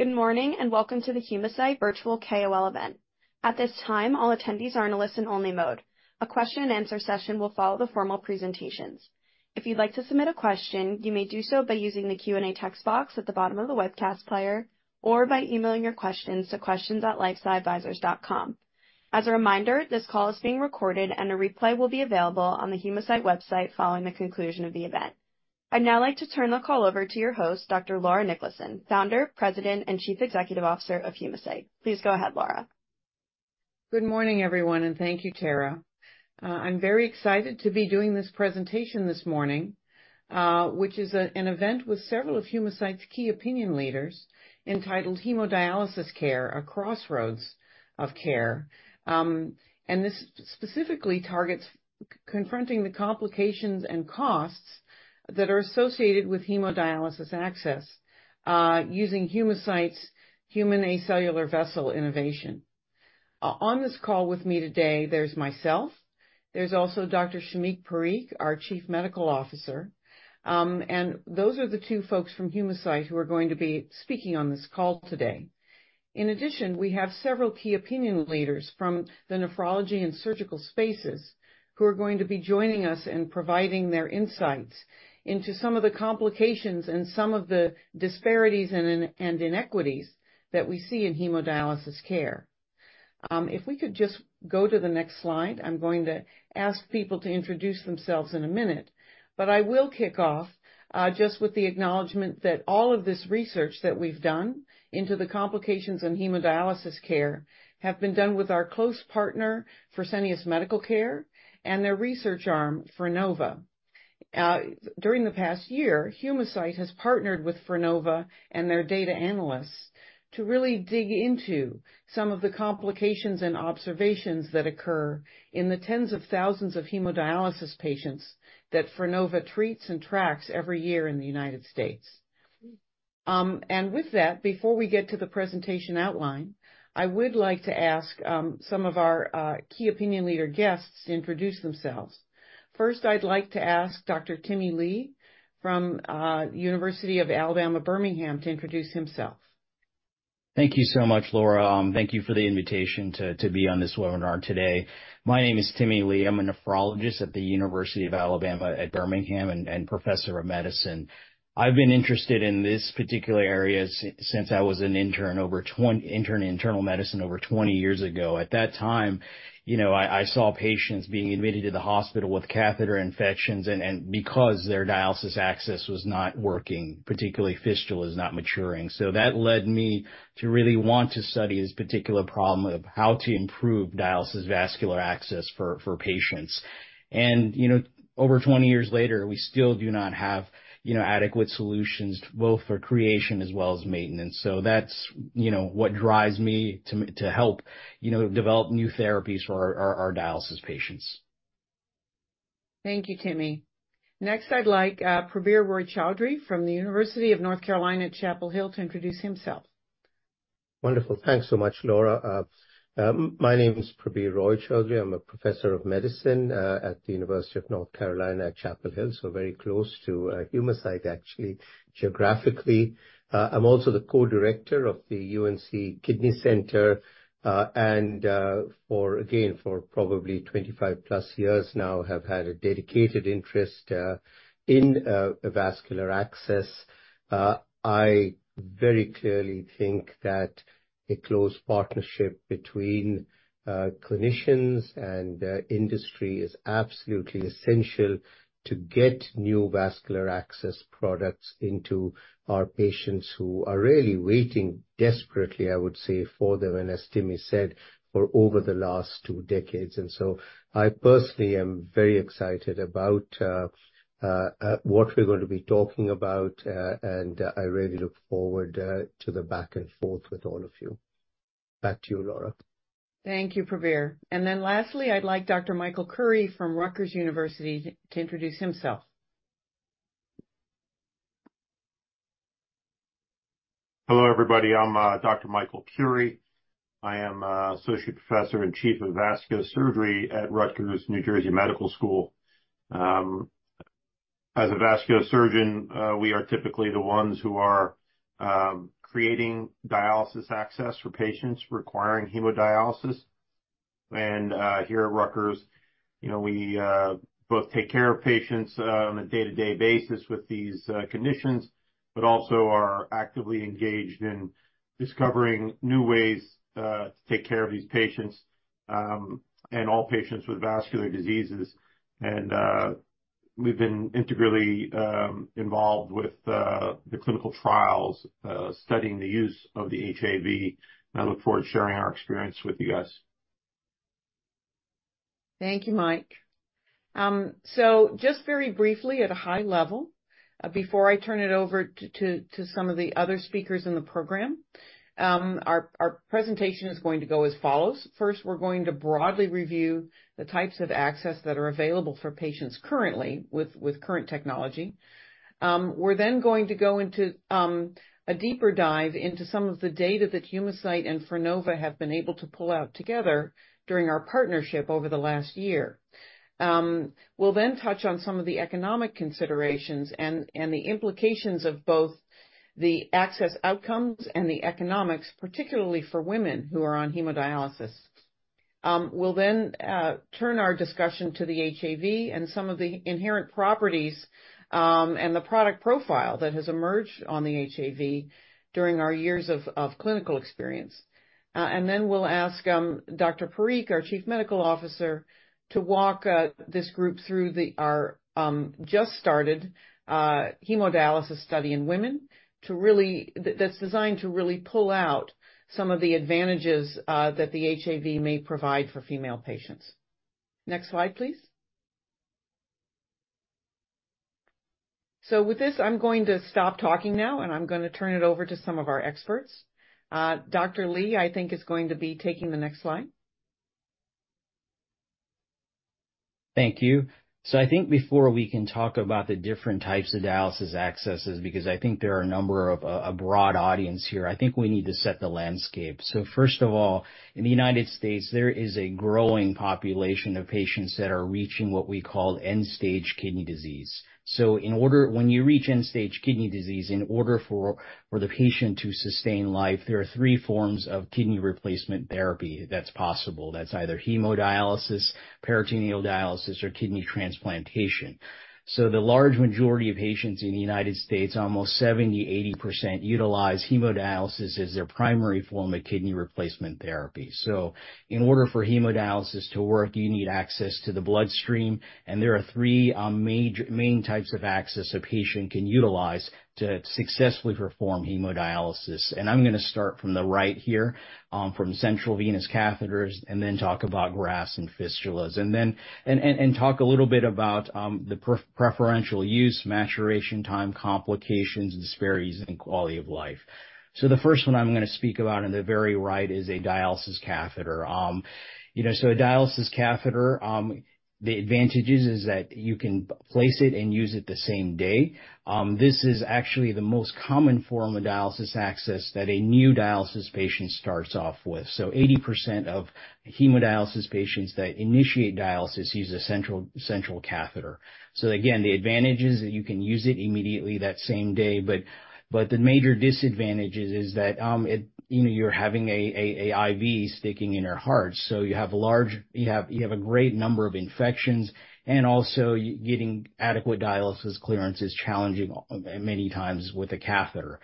Good morning, and welcome to the Humacyte Virtual KOL event. At this time, all attendees are in a listen-only mode. A question-and-answer session will follow the formal presentations. If you'd like to submit a question, you may do so by using the Q&A text box at the bottom of the webcast player or by emailing your questions to questions@lifesciadvisors.com. As a reminder, this call is being recorded, and a replay will be available on the Humacyte website following the conclusion of the event. I'd now like to turn the call over to your host, Dr. Laura Niklason, Founder, President, and Chief Executive Officer of Humacyte. Please go ahead, Laura. Good morning, everyone, and thank you, Tara. I'm very excited to be doing this presentation this morning, which is an event with several of Humacyte's key opinion leaders entitled Hemodialysis Care: A Crossroads of Care. And this specifically targets confronting the complications and costs that are associated with hemodialysis access, using Humacyte's Human Acellular Vessel innovation. On this call with me today, there's myself, there's also Dr. Shamik Parikh, our Chief Medical Officer, and those are the two folks from Humacyte who are going to be speaking on this call today. In addition, we have several key opinion leaders from the nephrology and surgical spaces who are going to be joining us and providing their insights into some of the complications and some of the disparities and inequities that we see in hemodialysis care. If we could just go to the next slide, I'm going to ask people to introduce themselves in a minute. But I will kick off just with the acknowledgement that all of this research that we've done into the complications in hemodialysis care have been done with our close partner, Fresenius Medical Care, and their research arm, Frenova. During the past year, Humacyte has partnered with Frenova and their data analysts to really dig into some of the complications and observations that occur in the tens of thousands of hemodialysis patients that Frenova treats and tracks every year in the United States. And with that, before we get to the presentation outline, I would like to ask some of our key opinion leader guests to introduce themselves. First, I'd like to ask Dr. Timmy Lee from University of Alabama at Birmingham to introduce himself. Thank you so much, Laura. Thank you for the invitation to be on this webinar today. My name is Timmy Lee. I'm a nephrologist at the University of Alabama at Birmingham, and Professor of Medicine. I've been interested in this particular area since I was an intern in internal medicine over 20 years ago. At that time, you know, I saw patients being admitted to the hospital with catheter infections and because their dialysis access was not working, particularly fistula is not maturing. So that led me to really want to study this particular problem of how to improve dialysis vascular access for patients. And, you know, over 20 years later, we still do not have, you know, adequate solutions, both for creation as well as maintenance. That's, you know, what drives me to help, you know, develop new therapies for our dialysis patients. Thank you, Timmy. Next, I'd like Prabir Roy-Chaudhury from the University of North Carolina at Chapel Hill to introduce himself. Wonderful. Thanks so much, Laura. My name is Prabir Roy-Chaudhury. I'm a professor of medicine at the University of North Carolina at Chapel Hill, so very close to Humacyte, actually, geographically. I'm also the co-director of the UNC Kidney Center, and, again, for probably 25+ years now, have had a dedicated interest in vascular access. I very clearly think that a close partnership between clinicians and industry is absolutely essential to get new vascular access products into our patients who are really waiting desperately, I would say, for them, and as Timmy said, for over the last two decades. And so I personally am very excited about what we're going to be talking about, and I really look forward to the back and forth with all of you. Back to you, Laura. Thank you, Prabir. And then lastly, I'd like Dr. Michael Curi from Rutgers University to introduce himself. Hello, everybody. I'm Dr. Michael Curi. I am Associate Professor and Chief of Vascular Surgery at Rutgers New Jersey Medical School. As a vascular surgeon, we are typically the ones who are creating dialysis access for patients requiring hemodialysis. Here at Rutgers, you know, we both take care of patients on a day-to-day basis with these conditions, but also are actively engaged in discovering new ways to take care of these patients and all patients with vascular diseases. We've been integrally involved with the clinical trials studying the use of the HAV, and I look forward to sharing our experience with you guys. Thank you, Mike. So just very briefly, at a high level, before I turn it over to some of the other speakers in the program, our presentation is going to go as follows: First, we're going to broadly review the types of access that are available for patients currently with current technology. We're then going to go into a deeper dive into some of the data that Humacyte and Frenova have been able to pull out together during our partnership over the last year. We'll then touch on some of the economic considerations and the implications of both the access outcomes and the economics, particularly for women who are on hemodialysis... We'll then turn our discussion to the HAV and some of the inherent properties, and the product profile that has emerged on the HAV during our years of clinical experience. And then we'll ask Dr. Parikh, our Chief Medical Officer, to walk this group through the our just started hemodialysis study in women, to really—that that's designed to really pull out some of the advantages that the HAV may provide for female patients. Next slide, please. So with this, I'm going to stop talking now, and I'm gonna turn it over to some of our experts. Dr. Lee, I think, is going to be taking the next slide. Thank you. So I think before we can talk about the different types of dialysis accesses, because I think there are a number of a broad audience here, I think we need to set the landscape. So first of all, in the United States, there is a growing population of patients that are reaching what we call end-stage kidney disease. So in order... When you reach end-stage kidney disease, in order for the patient to sustain life, there are three forms of kidney replacement therapy that's possible. That's either hemodialysis, peritoneal dialysis, or kidney transplantation. So the large majority of patients in the United States, almost 70%-80%, utilize hemodialysis as their primary form of kidney replacement therapy. So in order for hemodialysis to work, you need access to the bloodstream, and there are three main types of access a patient can utilize to successfully perform hemodialysis. And I'm gonna start from the right here, from central venous catheters, and then talk about grafts and fistulas. And then, talk a little bit about the preferential use, maturation time, complications, disparities, and quality of life. So the first one I'm gonna speak about on the very right is a dialysis catheter. You know, so a dialysis catheter, the advantages is that you can place it and use it the same day. This is actually the most common form of dialysis access that a new dialysis patient starts off with. So 80% of hemodialysis patients that initiate dialysis use a central catheter. So again, the advantage is that you can use it immediately that same day, but the major disadvantage is that, you know, you're having a IV sticking in your heart. So you have a large number of infections, and also getting adequate dialysis clearance is challenging many times with a catheter.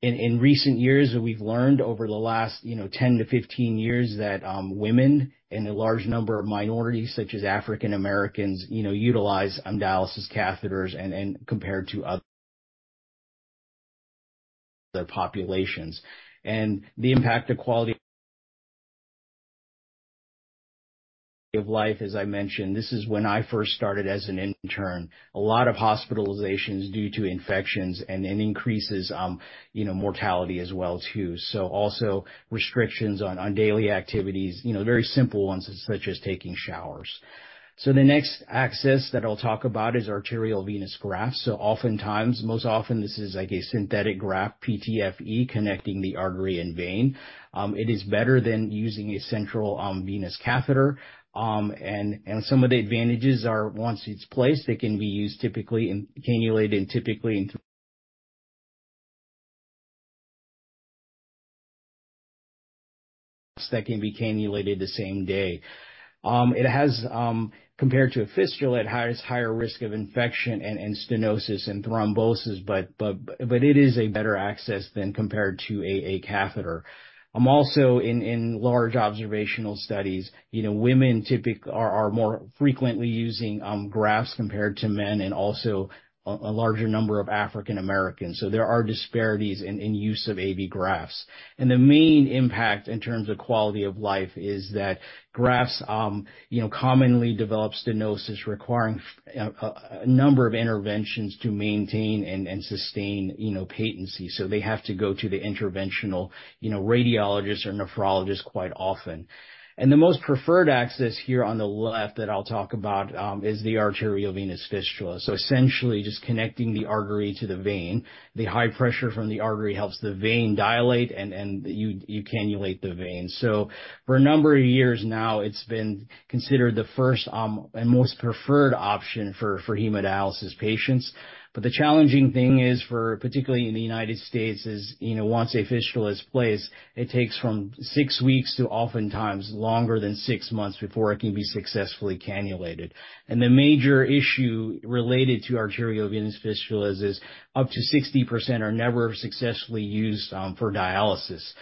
In recent years, we've learned over the last, you know, 10-15 years, that women and a large number of minorities, such as African Americans, you know, utilize dialysis catheters and compared to other populations. And the impact of quality of life, as I mentioned, this is when I first started as an intern, a lot of hospitalizations due to infections and increases, you know, mortality as well, too. Also restrictions on daily activities, you know, very simple ones, such as taking showers. The next access that I'll talk about is arteriovenous grafts. Oftentimes, most often, this is like a synthetic graft, PTFE, connecting the artery and vein. It is better than using a central venous catheter. And some of the advantages are, once it's placed, it can be used typically and cannulated the same day. It has, compared to a fistula, higher risk of infection and stenosis and thrombosis, but it is a better access than compared to a catheter. Also in large observational studies, you know, women typically are more frequently using grafts compared to men and also a larger number of African Americans, so there are disparities in use of AV grafts. And the main impact in terms of quality of life is that grafts, you know, commonly develop stenosis, requiring a number of interventions to maintain and sustain, you know, patency. So they have to go to the interventional, you know, radiologist or nephrologist quite often. And the most preferred access here on the left, that I'll talk about, is the arteriovenous fistula. So essentially, just connecting the artery to the vein. The high pressure from the artery helps the vein dilate, and you cannulate the vein. So for a number of years now, it's been considered the first and most preferred option for hemodialysis patients. But the challenging thing, particularly in the United States, is, you know, once a fistula is placed, it takes from six weeks to oftentimes longer than six months before it can be successfully cannulated. And the major issue related to arteriovenous fistula is up to 60% are never successfully used for dialysis.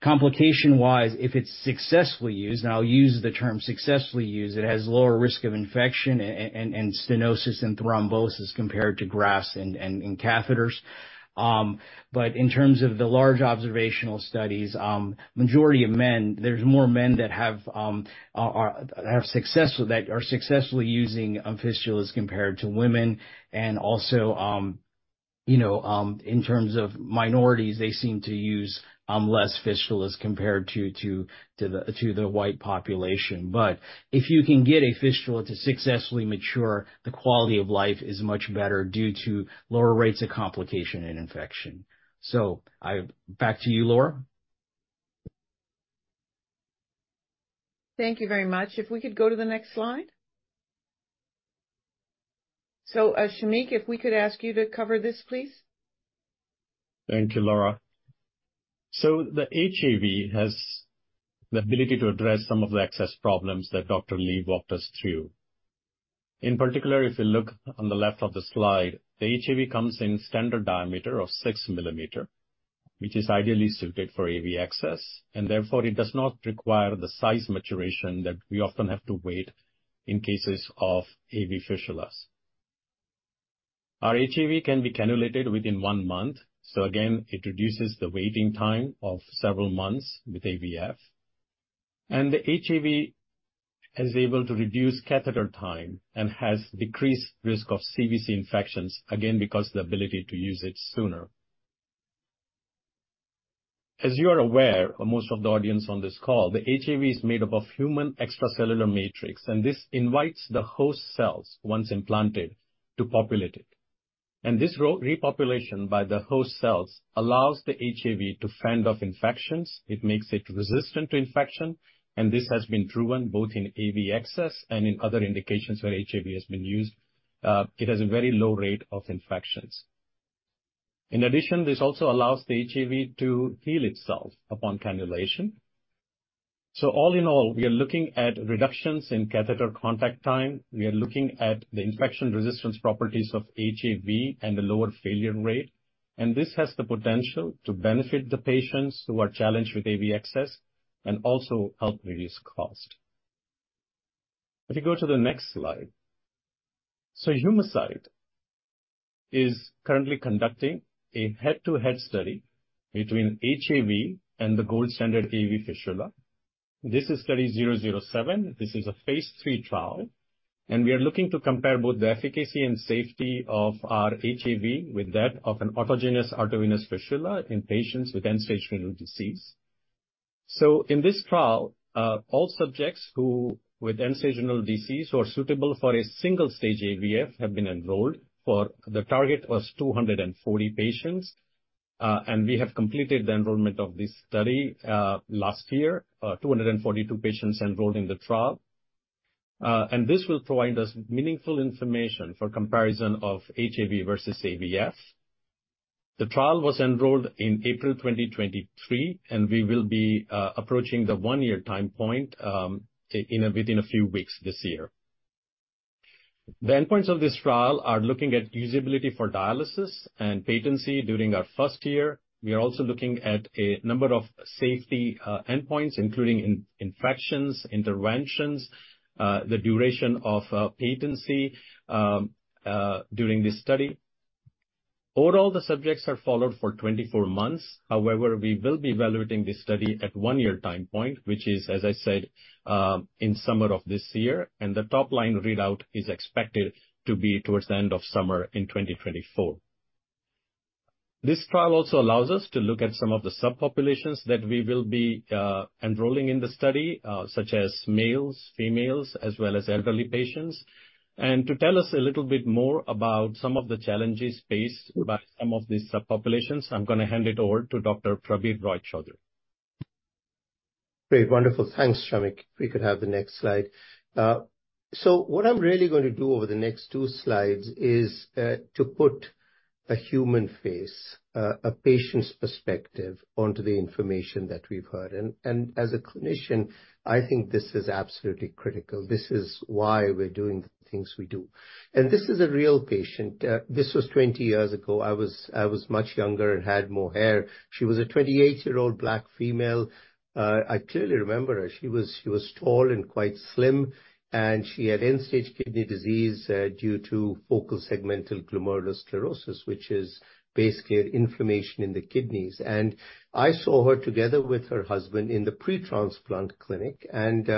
Complication-wise, if it's successfully used, and I'll use the term successfully used, it has lower risk of infection and stenosis and thrombosis compared to grafts and catheters. But in terms of the large observational studies, majority of men, there's more men that have success that are successfully using fistulas compared to women, and also, you know, in terms of minorities, they seem to use less fistulas compared to the white population. But if you can get a fistula to successfully mature, the quality of life is much better due to lower rates of complication and infection. So I-- Back to you, Laura. Thank you very much. If we could go to the next slide? So, Shamik, if we could ask you to cover this, please? Thank you, Laura. So the HAV has the ability to address some of the access problems that Dr. Lee walked us through. In particular, if you look on the left of the slide, the HAV comes in standard diameter of 6 millimeter, which is ideally suited for AV access, and therefore it does not require the size maturation that we often have to wait in cases of AV fistula. Our HAV can be cannulated within one month, so again, it reduces the waiting time of several months with AVF. And the HAV is able to reduce catheter time and has decreased risk of CVC infections, again, because the ability to use it sooner. As you are aware, or most of the audience on this call, the HAV is made up of human extracellular matrix, and this invites the host cells, once implanted, to populate it. This repopulation by the host cells allows the HAV to fend off infections. It makes it resistant to infection, and this has been proven both in AV access and in other indications where HAV has been used. It has a very low rate of infections. In addition, this also allows the HAV to heal itself upon cannulation. So all in all, we are looking at reductions in catheter contact time. We are looking at the infection resistance properties of HAV and the lower failure rate, and this has the potential to benefit the patients who are challenged with AV access and also help reduce cost. If you go to the next slide. Humacyte is currently conducting a head-to-head study between HAV and the gold standard AV fistula. This is Study V007. This is a phase III trial, and we are looking to compare both the efficacy and safety of our HAV with that of an autogenous arteriovenous fistula in patients with end-stage renal disease. So in this trial, all subjects who with end-stage renal disease who are suitable for a single-stage AVF have been enrolled, for the target was 240 patients, and we have completed the enrollment of this study last year. 242 patients enrolled in the trial. This will provide us meaningful information for comparison of HAV versus AVF. The trial was enrolled in April 2023, and we will be approaching the 1-year time point within a few weeks this year. The endpoints of this trial are looking at usability for dialysis and patency during our first year. We are also looking at a number of safety endpoints, including infections, interventions, the duration of patency during this study. Overall, the subjects are followed for 24 months. However, we will be evaluating this study at 1-year time point, which is, as I said, in summer of this year, and the top-line readout is expected to be towards the end of summer in 2024. This trial also allows us to look at some of the subpopulations that we will be enrolling in the study, such as males, females, as well as elderly patients. To tell us a little bit more about some of the challenges faced by some of these subpopulations, I'm going to hand it over to Dr. Prabir Roy-Chaudhury. Great. Wonderful. Thanks, Shamik. If we could have the next slide. So what I'm really going to do over the next two slides is to put a human face, a patient's perspective onto the information that we've heard. And as a clinician, I think this is absolutely critical. This is why we're doing the things we do. And this is a real patient. This was 20 years ago. I was much younger and had more hair. She was a 28-year-old Black female. I clearly remember her. She was tall and quite slim, and she had end-stage kidney disease due to focal segmental glomerulosclerosis, which is basically an inflammation in the kidneys. And I saw her together with her husband in the pre-transplant clinic, and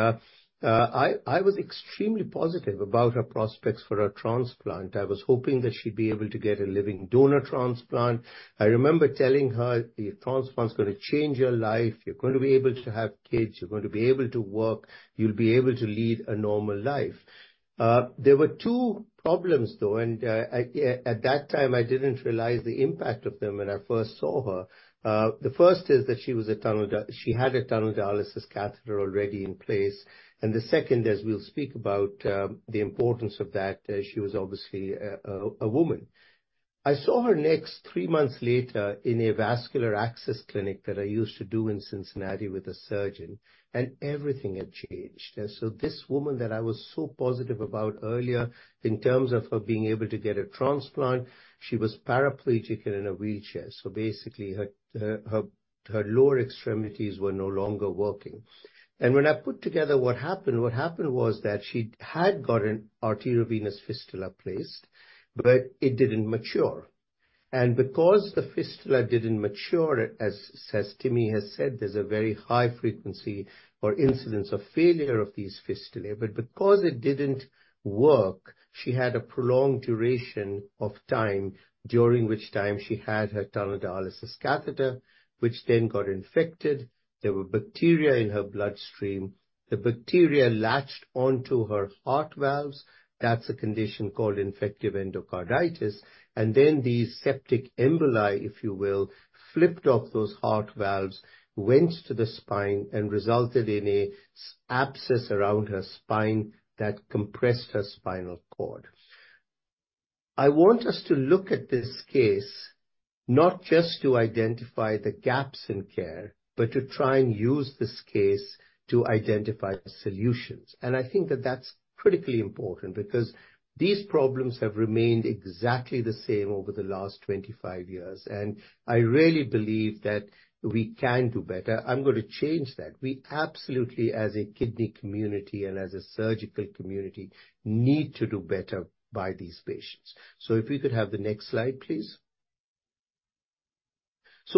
I was extremely positive about her prospects for a transplant. I was hoping that she'd be able to get a living donor transplant. I remember telling her: "The transplant's going to change your life. You're going to be able to have kids. You're going to be able to work. You'll be able to lead a normal life." There were two problems, though, and at that time, I didn't realize the impact of them when I first saw her. The first is that she was a tunnel da- she had a tunneled dialysis catheter already in place, and the second, as we'll speak about, the importance of that, she was obviously a woman. I saw her next three months later in a vascular access clinic that I used to do in Cincinnati with a surgeon, and everything had changed. And so this woman that I was so positive about earlier in terms of her being able to get a transplant, she was paraplegic and in a wheelchair, so basically her lower extremities were no longer working. And when I put together what happened, what happened was that she had got an arteriovenous fistula placed, but it didn't mature. And because the fistula didn't mature, as Timmy has said, there's a very high frequency or incidence of failure of these fistula. But because it didn't work, she had a prolonged duration of time, during which time she had her tunneled dialysis catheter, which then got infected. There were bacteria in her bloodstream. The bacteria latched onto her heart valves. That's a condition called infective endocarditis. And then these septic emboli, if you will, flipped off those heart valves, went to the spine, and resulted in a spinal abscess around her spine that compressed her spinal cord. I want us to look at this case, not just to identify the gaps in care, but to try and use this case to identify solutions. I think that's critically important, because these problems have remained exactly the same over the last 25 years, and I really believe that we can do better. I'm going to change that. We absolutely, as a kidney community and as a surgical community, need to do better by these patients. So if we could have the next slide, please.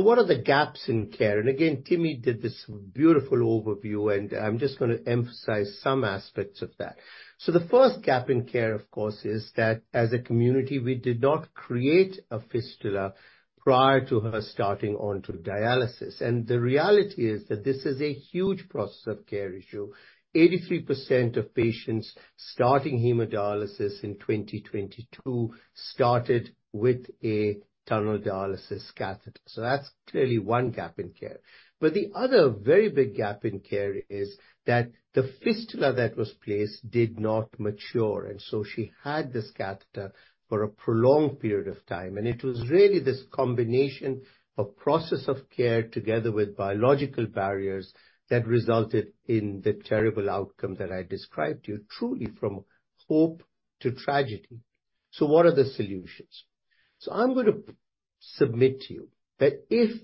What are the gaps in care? Again, Timmy did this beautiful overview, and I'm just gonna emphasize some aspects of that. So the first gap in care, of course, is that as a community, we did not create a fistula prior to her starting onto dialysis, and the reality is that this is a huge process of care issue. 83% of patients starting hemodialysis in 2022 started with a tunneled dialysis catheter, so that's clearly one gap in care. But the other very big gap in care is that the fistula that was placed did not mature, and so she had this catheter for a prolonged period of time. And it was really this combination of process of care together with biological barriers, that resulted in the terrible outcome that I described to you, truly from hope to tragedy. So what are the solutions? So I'm gonna submit to you that if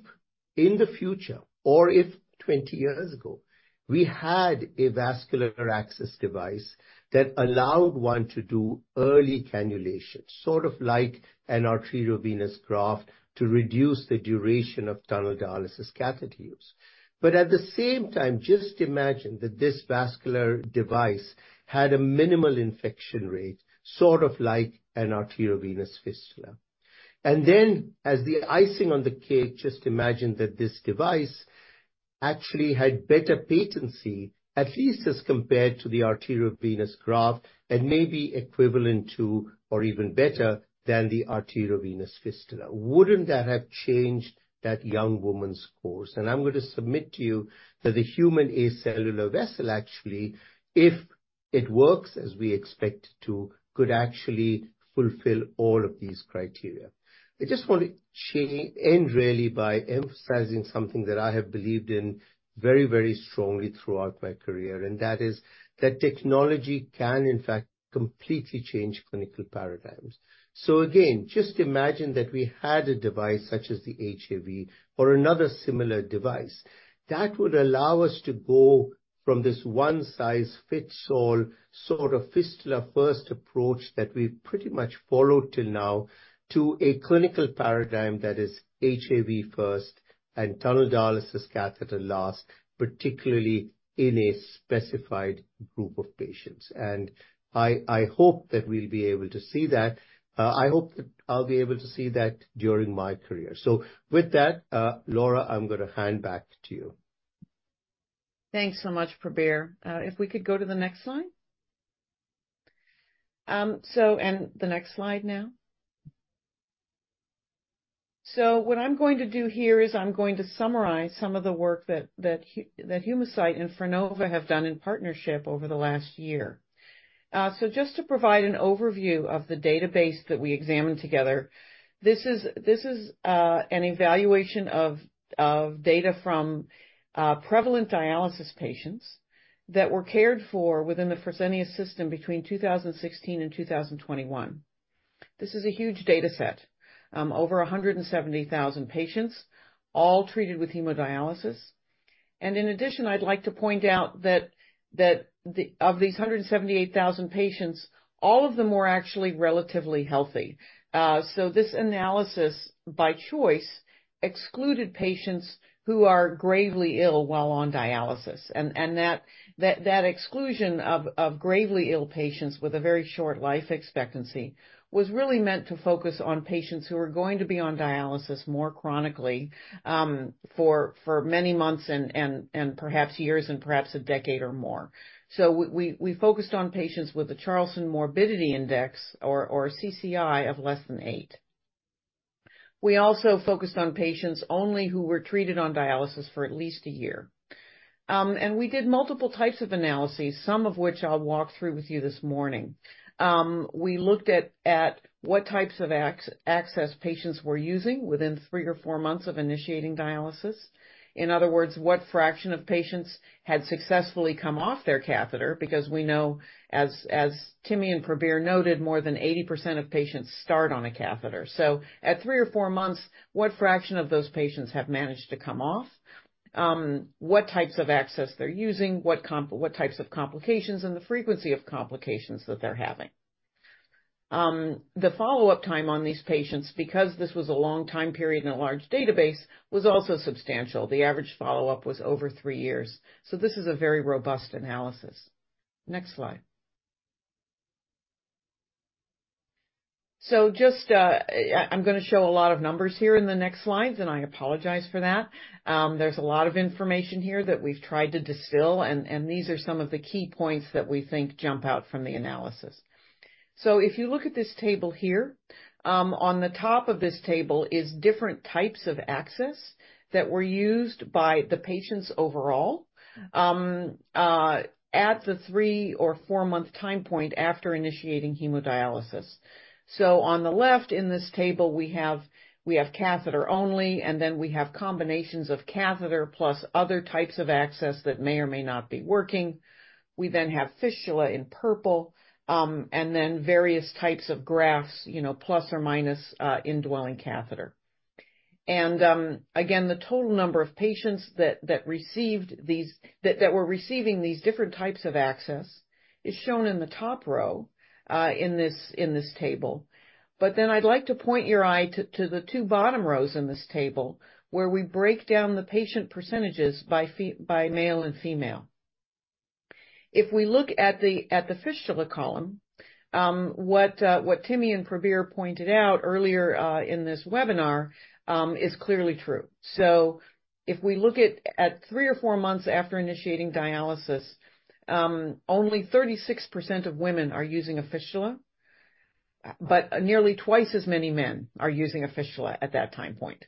in the future or if 20 years ago, we had a vascular access device that allowed one to do early cannulation, sort of like an arteriovenous graft, to reduce the duration of tunneled dialysis catheter use. But at the same time, just imagine that this vascular device had a minimal infection rate, sort of like an arteriovenous fistula. And then, as the icing on the cake, just imagine that this device actually had better patency, at least as compared to the arteriovenous graft, and maybe equivalent to or even better than the arteriovenous fistula. Wouldn't that have changed that young woman's course? And I'm gonna submit to you that the Human Acellular Vessel, actually, if it works as we expect it to, could actually fulfill all of these criteria. I just want to end, really, by emphasizing something that I have believed in very, very strongly throughout my career, and that is that technology can, in fact, completely change clinical paradigms. So again, just imagine that we had a device such as the HAV or another similar device that would allow us to go from this one-size-fits-all sort of Fistula First approach that we've pretty much followed till now, to a clinical paradigm that is HAV first and tunneled dialysis catheter last, particularly in a specified group of patients. And I, I hope that we'll be able to see that. I hope that I'll be able to see that during my career. So with that, Laura, I'm gonna hand back to you. Thanks so much, Prabir. If we could go to the next slide. So what I'm going to do here is I'm going to summarize some of the work that Humacyte and Fresenius have done in partnership over the last year. So just to provide an overview of the database that we examined together, this is an evaluation of data from prevalent dialysis patients that were cared for within the Fresenius system between 2016 and 2021. This is a huge dataset, over 170,000 patients, all treated with hemodialysis. And in addition, I'd like to point out that of these 178,000 patients, all of them were actually relatively healthy. So this analysis, by choice, excluded patients who are gravely ill while on dialysis. And that exclusion of gravely ill patients with a very short life expectancy was really meant to focus on patients who are going to be on dialysis more chronically, for many months and perhaps years and perhaps a decade or more. So we focused on patients with a Charlson Comorbidity Index or CCI of less than eight. We also focused on patients only who were treated on dialysis for at least a year. And we did multiple types of analyses, some of which I'll walk through with you this morning. We looked at what types of access patients were using within three or four months of initiating dialysis. In other words, what fraction of patients had successfully come off their catheter? Because we know, as Timmy and Prabir noted, more than 80% of patients start on a catheter. So at three or four months, what fraction of those patients have managed to come off? What types of access they're using, what types of complications, and the frequency of complications that they're having. The follow-up time on these patients, because this was a long time period and a large database, was also substantial. The average follow-up was over three years, so this is a very robust analysis. Next slide. So just, I'm gonna show a lot of numbers here in the next slides, and I apologize for that. There's a lot of information here that we've tried to distill, and these are some of the key points that we think jump out from the analysis. So if you look at this table here. On the top of this table is different types of access that were used by the patients overall, at the 3- or 4-month time point after initiating hemodialysis. So on the left, in this table, we have catheter only, and then we have combinations of catheter plus other types of access that may or may not be working. We then have fistula in purple, and then various types of grafts, you know, plus or minus, indwelling catheter. Again, the total number of patients that received these that were receiving these different types of access is shown in the top row in this table. But then I'd like to point your eye to the two bottom rows in this table, where we break down the patient percentages by male and female. If we look at the fistula column, what Timmy and Prabir pointed out earlier in this webinar is clearly true. So if we look at three or four months after initiating dialysis, only 36% of women are using a fistula, but nearly twice as many men are using a fistula at that time point.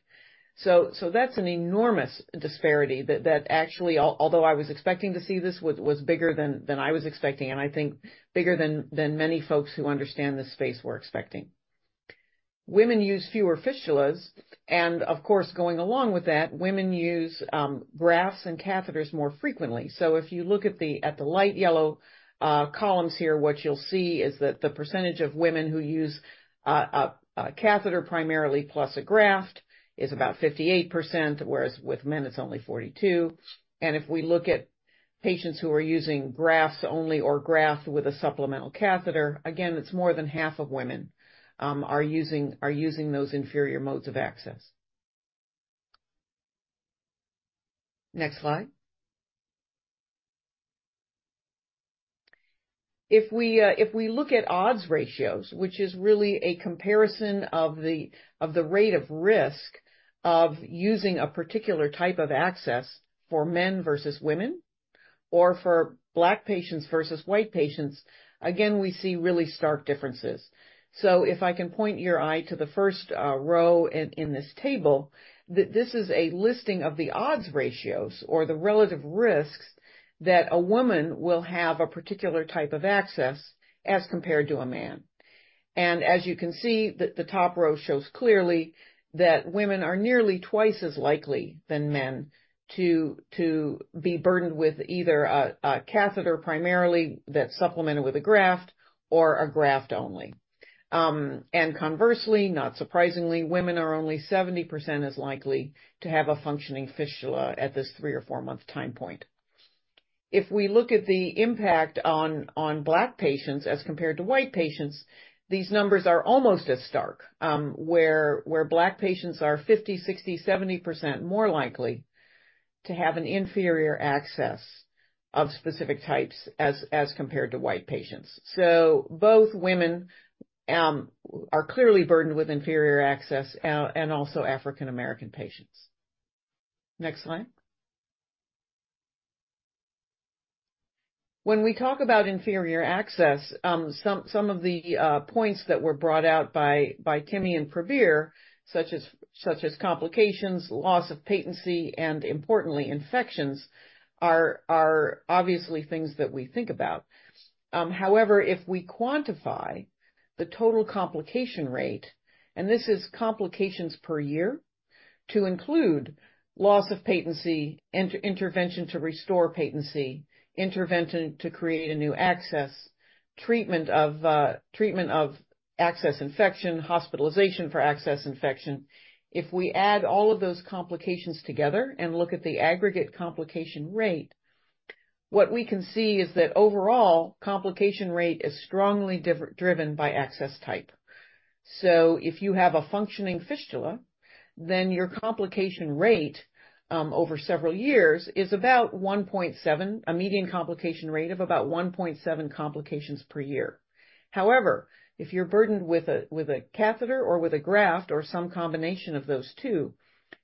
So that's an enormous disparity that actually, although I was expecting to see this, was bigger than I was expecting, and I think bigger than many folks who understand this space were expecting. Women use fewer fistulas, and of course, going along with that, women use grafts and catheters more frequently. So if you look at the light yellow columns here, what you'll see is that the percentage of women who use a catheter primarily plus a graft is about 58%, whereas with men it's only 42%. And if we look at patients who are using grafts only or graft with a supplemental catheter, again, it's more than half of women are using those inferior modes of access. Next slide. If we look at odds ratios, which is really a comparison of the rate of risk of using a particular type of access for men versus women, or for Black patients versus white patients, again, we see really stark differences. So if I can point your eye to the first row in this table, this is a listing of the odds ratios or the relative risks that a woman will have a particular type of access as compared to a man. And as you can see, the top row shows clearly that women are nearly twice as likely than men to be burdened with either a catheter, primarily, that's supplemented with a graft or a graft only. And conversely, not surprisingly, women are only 70% as likely to have a functioning fistula at this three- or four-month time point. If we look at the impact on Black patients as compared to white patients, these numbers are almost as stark, where Black patients are 50, 60, 70% more likely to have an inferior access of specific types as compared to white patients. So both women are clearly burdened with inferior access and also African American patients. Next slide. When we talk about inferior access, some of the points that were brought out by Timmy and Prabir, such as complications, loss of patency, and importantly, infections, are obviously things that we think about. However, if we quantify the total complication rate, and this is complications per year, to include loss of patency, intervention to restore patency, intervention to create a new access, treatment of access infection, hospitalization for access infection. If we add all of those complications together and look at the aggregate complication rate, what we can see is that overall complication rate is strongly driven by access type. So if you have a functioning fistula, then your complication rate over several years is about 1.7. A median complication rate of about 1.7 complications per year. However, if you're burdened with a catheter or with a graft or some combination of those two,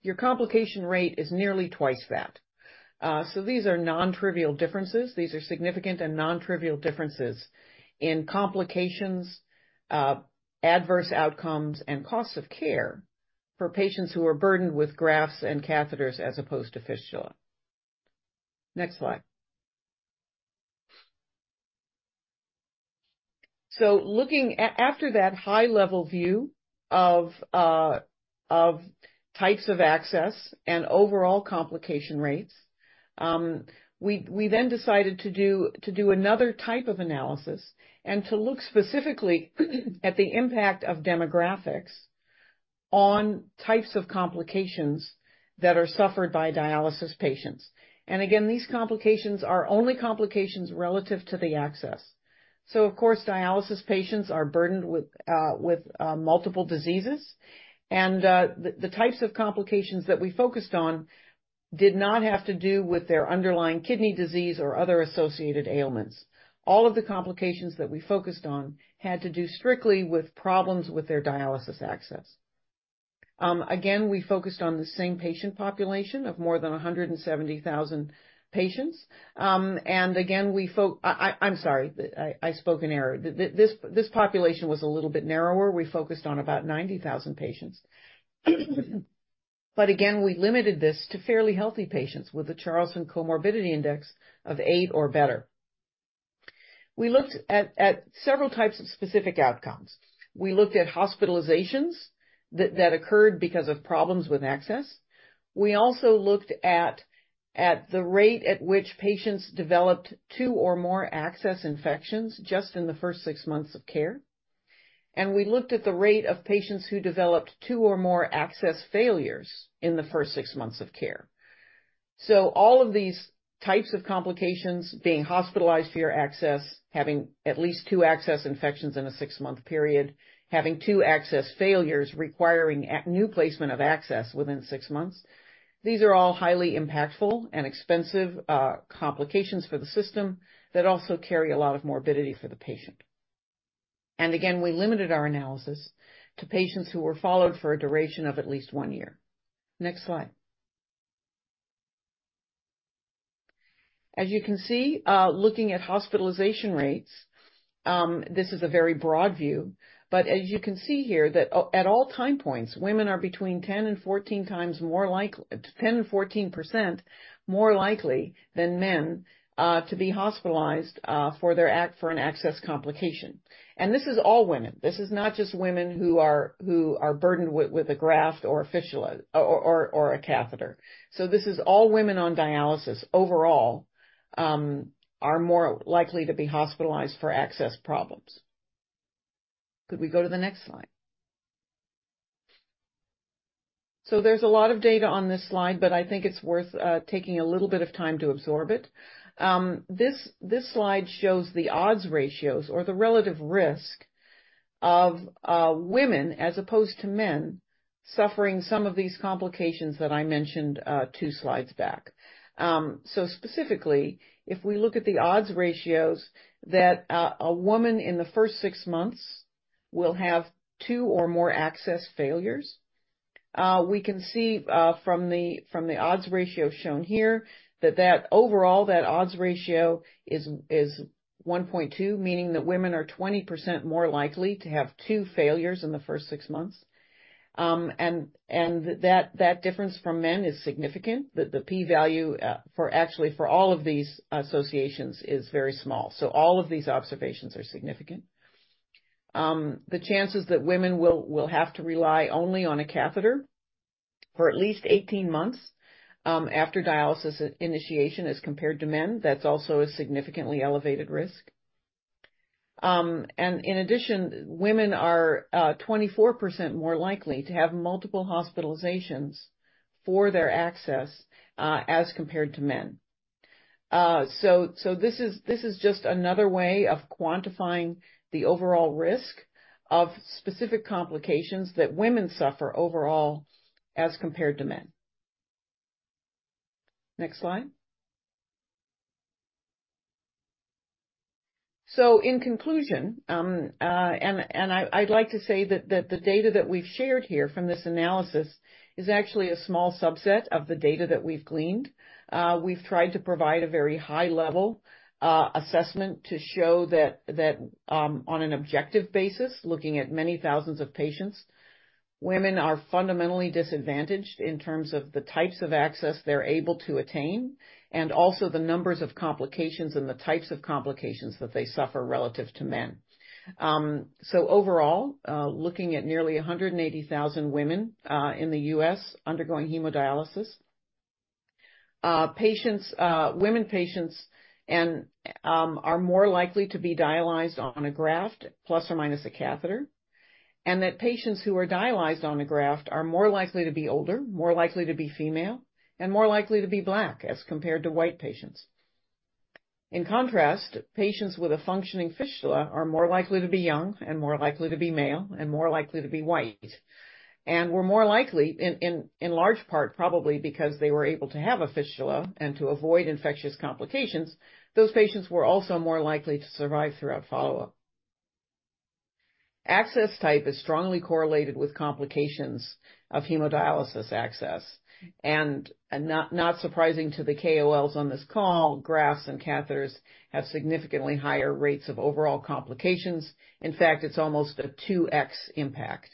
your complication rate is nearly twice that. So these are non-trivial differences. These are significant and non-trivial differences in complications, adverse outcomes, and costs of care for patients who are burdened with grafts and catheters as opposed to fistula. Next slide. So looking at after that high level view of types of access and overall complication rates, we then decided to do another type of analysis and to look specifically at the impact of demographics on types of complications that are suffered by dialysis patients. And again, these complications are only complications relative to the access. So of course, dialysis patients are burdened with multiple diseases. And the types of complications that we focused on did not have to do with their underlying kidney disease or other associated ailments. All of the complications that we focused on had to do strictly with problems with their dialysis access. Again, we focused on the same patient population of more than 170,000 patients. And again, I'm sorry, I spoke in error. This population was a little bit narrower. We focused on about 90,000 patients. But again, we limited this to fairly healthy patients with a Charlson Comorbidity Index of eight or better. We looked at several types of specific outcomes. We looked at hospitalizations that occurred because of problems with access. We also looked at the rate at which patients developed two or more access infections just in the first six months of care. And we looked at the rate of patients who developed two or more access failures in the first six months of care. So all of these types of complications, being hospitalized for your access, having at least two access infections in a six-month period, having two access failures requiring a new placement of access within six months, these are all highly impactful and expensive, complications for the system that also carry a lot of morbidity for the patient. And again, we limited our analysis to patients who were followed for a duration of at least one year. Next slide. As you can see, looking at hospitalization rates, this is a very broad view, but as you can see here, that at all time points, women are between 10 and 14x more likely—10%-14% more likely than men, to be hospitalized, for their for an access complication. And this is all women. This is not just women who are burdened with a graft or a fistula, or a catheter. So this is all women on dialysis overall are more likely to be hospitalized for access problems. Could we go to the next slide? So there's a lot of data on this slide, but I think it's worth taking a little bit of time to absorb it. This slide shows the odds ratios or the relative risk of women as opposed to men suffering some of these complications that I mentioned two slides back. So specifically, if we look at the odds ratios that a woman in the first six months will have two or more access failures, we can see from the odds ratio shown here, that overall, that odds ratio is 1.2, meaning that women are 20% more likely to have two failures in the first six months. And that difference from men is significant. The p-value for actually for all of these associations is very small. So all of these observations are significant. The chances that women will have to rely only on a catheter for at least 18 months after dialysis initiation as compared to men, that's also a significantly elevated risk. And in addition, women are 24% more likely to have multiple hospitalizations for their access, as compared to men. So this is just another way of quantifying the overall risk of specific complications that women suffer overall as compared to men. Next slide. So in conclusion, and I'd like to say that the data that we've shared here from this analysis is actually a small subset of the data that we've gleaned. We've tried to provide a very high level assessment to show that on an objective basis, looking at many thousands of patients, women are fundamentally disadvantaged in terms of the types of access they're able to attain, and also the numbers of complications and the types of complications that they suffer relative to men. So overall, looking at nearly 180,000 women in the U.S. undergoing hemodialysis, patients, women patients and are more likely to be dialyzed on a graft, plus or minus a catheter, and that patients who are dialyzed on a graft are more likely to be older, more likely to be female, and more likely to be Black as compared to White patients. In contrast, patients with a functioning fistula are more likely to be young, and more likely to be male, and more likely to be White. And were more likely in large part, probably because they were able to have a fistula and to avoid infectious complications. Those patients were also more likely to survive throughout follow-up. Access type is strongly correlated with complications of hemodialysis access, and not surprising to the KOLs on this call, grafts and catheters have significantly higher rates of overall complications. In fact, it's almost a 2x impact.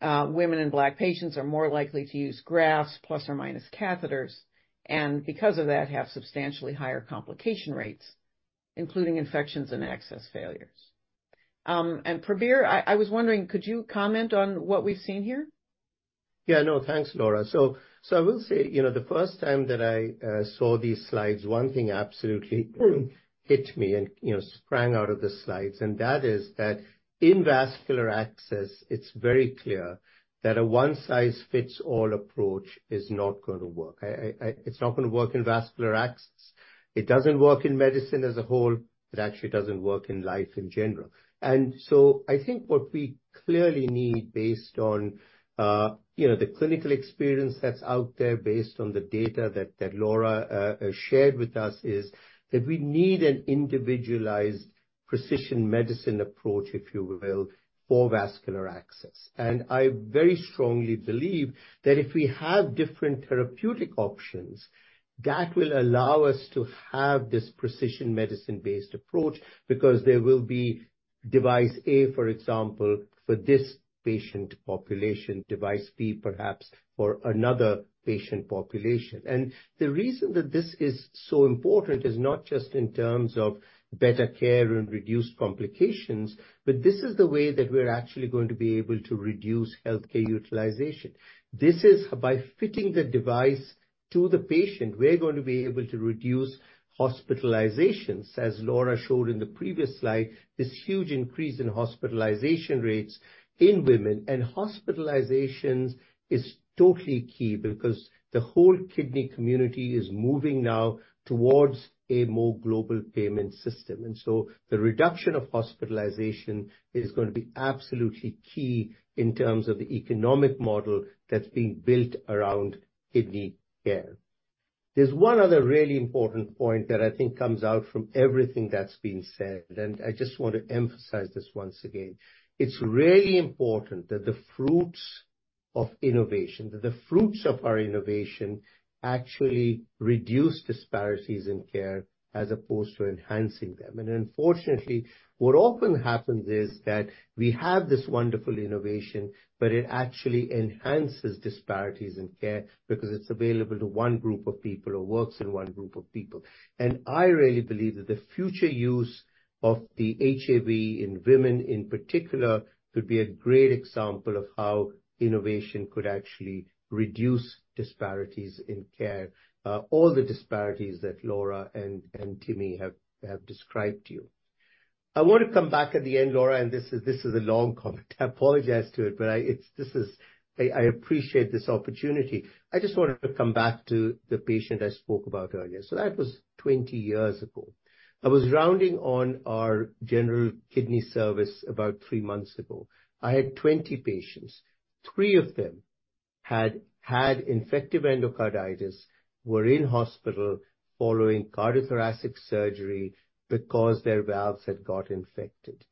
Women and Black patients are more likely to use grafts plus or minus catheters, and because of that, have substantially higher complication rates, including infections and access failures. And Prabir, I was wondering, could you comment on what we've seen here? Yeah, no, thanks, Laura. So I will say, you know, the first time that I saw these slides, one thing absolutely hit me and, you know, sprang out of the slides, and that is that in vascular access, it's very clear that a one-size-fits-all approach is not gonna work. It's not gonna work in vascular access. It doesn't work in medicine as a whole. It actually doesn't work in life in general. And so I think what we clearly need based on, you know, the clinical experience that's out there, based on the data that Laura shared with us, is that we need an individualized precision medicine approach, if you will, for vascular access. I very strongly believe that if we have different therapeutic options, that will allow us to have this precision medicine-based approach, because there will be device A, for example, for this patient population, device B, perhaps for another patient population. The reason that this is so important is not just in terms of better care and reduced complications, but this is the way that we're actually going to be able to reduce healthcare utilization. This is by fitting the device to the patient, we're going to be able to reduce hospitalizations. As Laura showed in the previous slide, this huge increase in hospitalization rates in women, and hospitalizations is totally key because the whole kidney community is moving now towards a more global payment system. And so the reduction of hospitalization is going to be absolutely key in terms of the economic model that's being built around kidney care. There's one other really important point that I think comes out from everything that's been said, and I just want to emphasize this once again. It's really important that the fruits of innovation, that the fruits of our innovation actually reduce disparities in care as opposed to enhancing them. And unfortunately, what often happens is that we have this wonderful innovation, but it actually enhances disparities in care because it's available to one group of people or works in one group of people. And I really believe that the future use of the HAV in women, in particular, could be a great example of how innovation could actually reduce disparities in care, all the disparities that Laura and Timmy have described to you. I want to come back at the end, Laura, and this is a long comment. I apologize to it, but it's this. I appreciate this opportunity. I just wanted to come back to the patient I spoke about earlier, so that was 20 years ago. I was rounding on our general kidney service about three months ago. I had 20 patients. Three of them had had infective endocarditis, were in hospital following cardiothoracic surgery because their valves had got infected.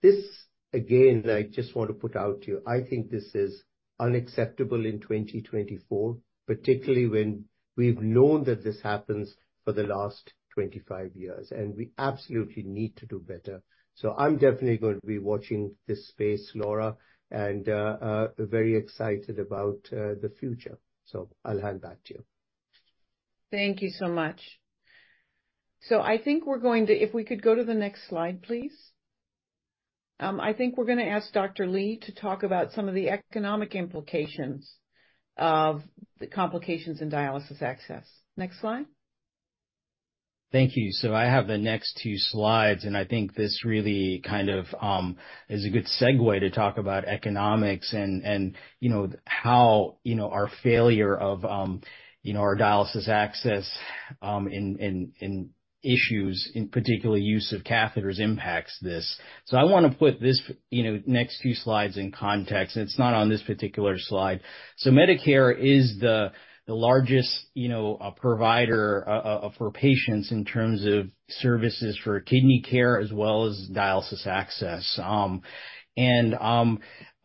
This, again, I just want to put out to you, I think this is unacceptable in 2024, particularly when we've known that this happens for the last 25 years, and we absolutely need to do better. So I'm definitely going to be watching this space, Laura, and very excited about the future. So I'll hand back to you. Thank you so much. So I think we're going to... If we could go to the next slide, please. I think we're gonna ask Dr. Lee to talk about some of the economic implications of the complications in dialysis access. Next slide. Thank you. So I have the next two slides, and I think this really kind of is a good segue to talk about economics and, and, you know, how, you know, our failure of, you know, our dialysis access, in issues, in particular, use of catheters impacts this. So I wanna put this, you know, next few slides in context, and it's not on this particular slide. So Medicare is the largest, you know, provider for patients in terms of services for kidney care as well as dialysis access. And,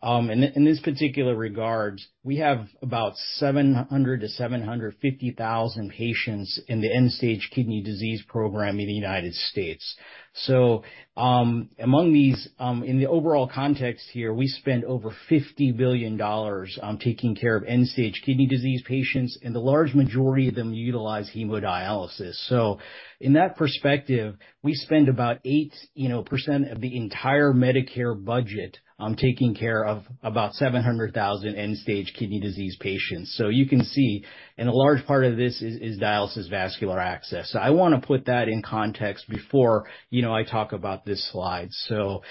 in this particular regard, we have about 700-750 thousand patients in the end-stage kidney disease program in the United States. So, among these, in the overall context here, we spend over $50 billion on taking care of end-stage kidney disease patients, and the large majority of them utilize hemodialysis. So in that perspective, we spend about 8%, you know, of the entire Medicare budget on taking care of about 700,000 end-stage kidney disease patients. So you can see, and a large part of this is dialysis vascular access. So I wanna put that in context before, you know, I talk about this slide. So,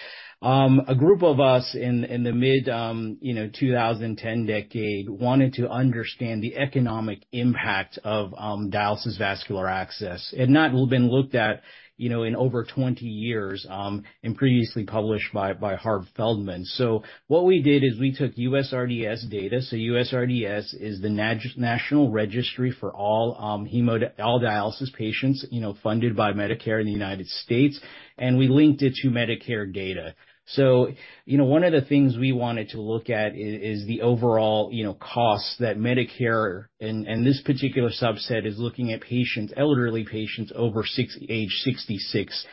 a group of us in the mid-2010 decade wanted to understand the economic impact of dialysis vascular access, and not been looked at, you know, in over 20 years, and previously published by Harv Feldman. So what we did is we took USRDS data. So USRDS is the national registry for all dialysis patients, you know, funded by Medicare in the United States, and we linked it to Medicare data. So you know, one of the things we wanted to look at is the overall, you know, costs that Medicare... And this particular subset is looking at patients, elderly patients over age 66 years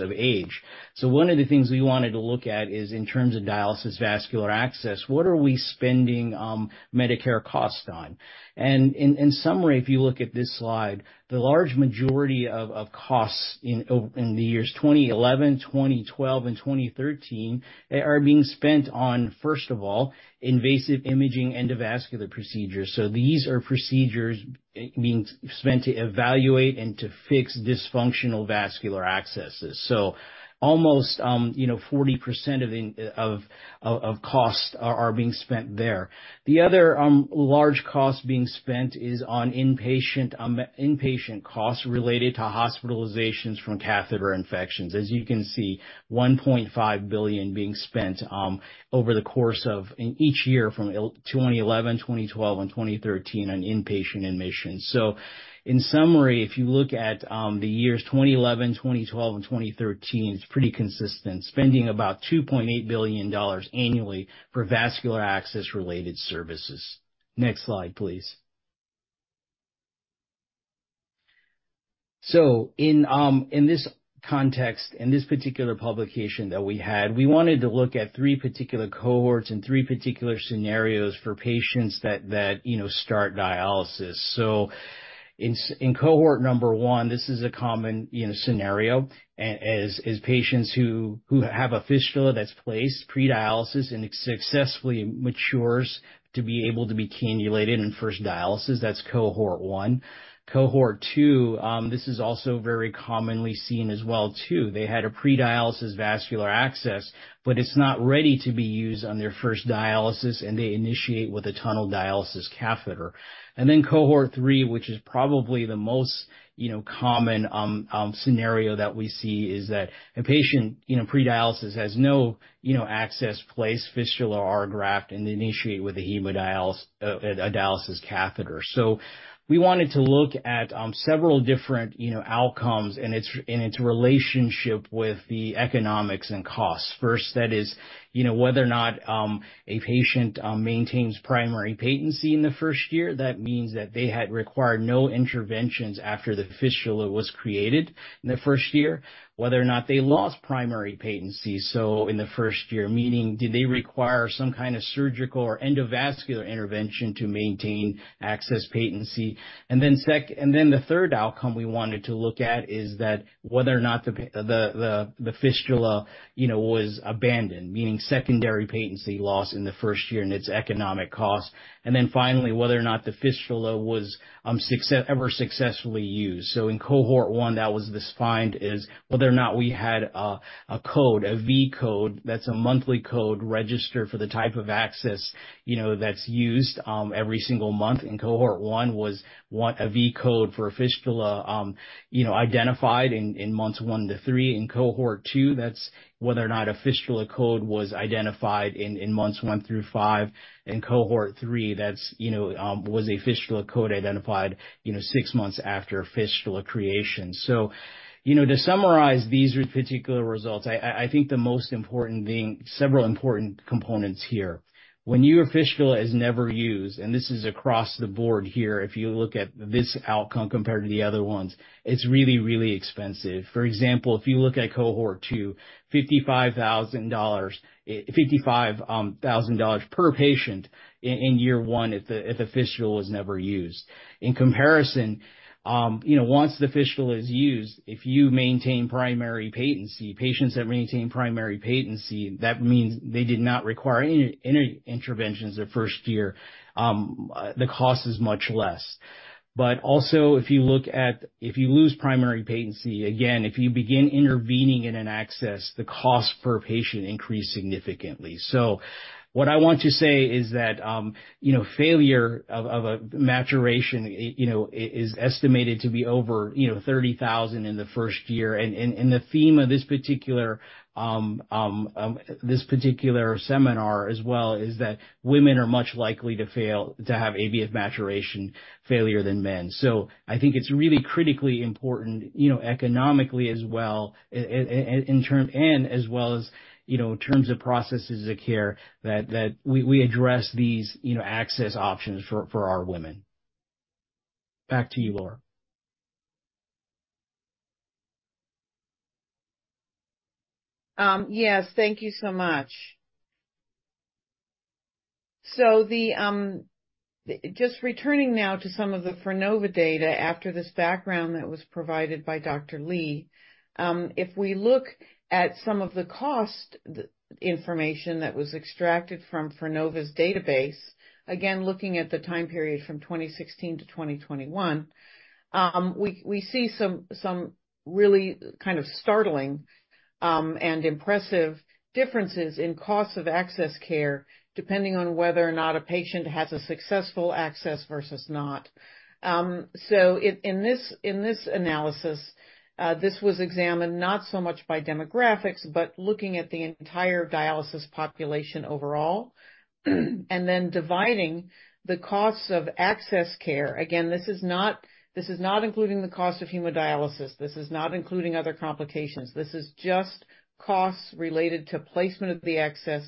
of age. So one of the things we wanted to look at is in terms of dialysis, vascular access, what are we spending Medicare costs on? And in summary, if you look at this slide, the large majority of costs in the years 2011, 2012, and 2013, are being spent on, first of all, invasive imaging endovascular procedures. So these are procedures being spent to evaluate and to fix dysfunctional vascular accesses. So almost, you know, 40% of costs are being spent there. The other large cost being spent is on inpatient costs related to hospitalizations from catheter infections. As you can see, $1.5 billion being spent over the course of each year from 2011, 2012, and 2013 on inpatient admissions. So in summary, if you look at the years 2011, 2012, and 2013, it's pretty consistent, spending about $2.8 billion annually for vascular access-related services. Next slide, please. So in this context, in this particular publication that we had, we wanted to look at three particular cohorts and three particular scenarios for patients that you know, start dialysis. So in cohort number 1, this is a common, you know, scenario, as patients who have a fistula that's placed pre-dialysis and it successfully matures to be able to be cannulated in first dialysis, that's cohort 1. Cohort 2, this is also very commonly seen as well, too. They had a pre-dialysis vascular access, but it's not ready to be used on their first dialysis, and they initiate with a tunneled dialysis catheter. And then cohort 3, which is probably the most, you know, common scenario that we see, is that a patient, you know, pre-dialysis has no, you know, access placed, fistula or graft, and initiate with a dialysis catheter. So we wanted to look at several different, you know, outcomes and its relationship with the economics and costs. First, that is, you know, whether or not a patient maintains primary patency in the first year. That means that they had required no interventions after the fistula was created in the first year, whether or not they lost primary patency, so in the first year, meaning did they require some kind of surgical or endovascular intervention to maintain access patency? And then the third outcome we wanted to look at is whether or not the fistula, you know, was abandoned, meaning secondary patency loss in the first year and its economic cost. And then finally, whether or not the fistula was ever successfully used. So in cohort one, that was this find, is whether or not we had a code, a V code, that's a monthly code registered for the type of access, you know, that's used every single month. In cohort one, was one a V code for fistula, you know, identified in months one to three. In cohort two, that's whether or not a fistula code was identified in months one through five. In cohort three, that's, you know, was a fistula code identified, you know, six months after fistula creation. So, you know, to summarize these particular results, I think the most important being several important components here. When your fistula is never used, and this is across the board here, if you look at this outcome compared to the other ones, it's really, really expensive. For example, if you look at cohort two, $55,000, $55,000 per patient in year one, if the fistula was never used. In comparison, you know, once the fistula is used, if you maintain primary patency, patients that maintain primary patency, that means they did not require any interventions the first year, the cost is much less. But also, if you look at, if you lose primary patency, again, if you begin intervening in an access, the cost per patient increased significantly. So what I want to say is that, you know, failure of a maturation, it you know is estimated to be over, you know, $30,000 in the first year. The theme of this particular seminar as well is that women are much likely to fail to have AVF maturation failure than men. So I think it's really critically important, you know, economically as well, in terms, and as well as, you know, in terms of processes of care, that we address these, you know, access options for our women. Back to you, Laura. Yes, thank you so much. So, just returning now to some of the Frenova data after this background that was provided by Dr. Lee. If we look at some of the cost, the information that was extracted from Frenova's database, again, looking at the time period from 2016 to 2021, we see some really kind of startling and impressive differences in costs of access care, depending on whether or not a patient has a successful access versus not. So in this analysis, this was examined not so much by demographics, but looking at the entire dialysis population overall, and then dividing the costs of access care. Again, this is not including the cost of hemodialysis. This is not including other complications. This is just costs related to placement of the access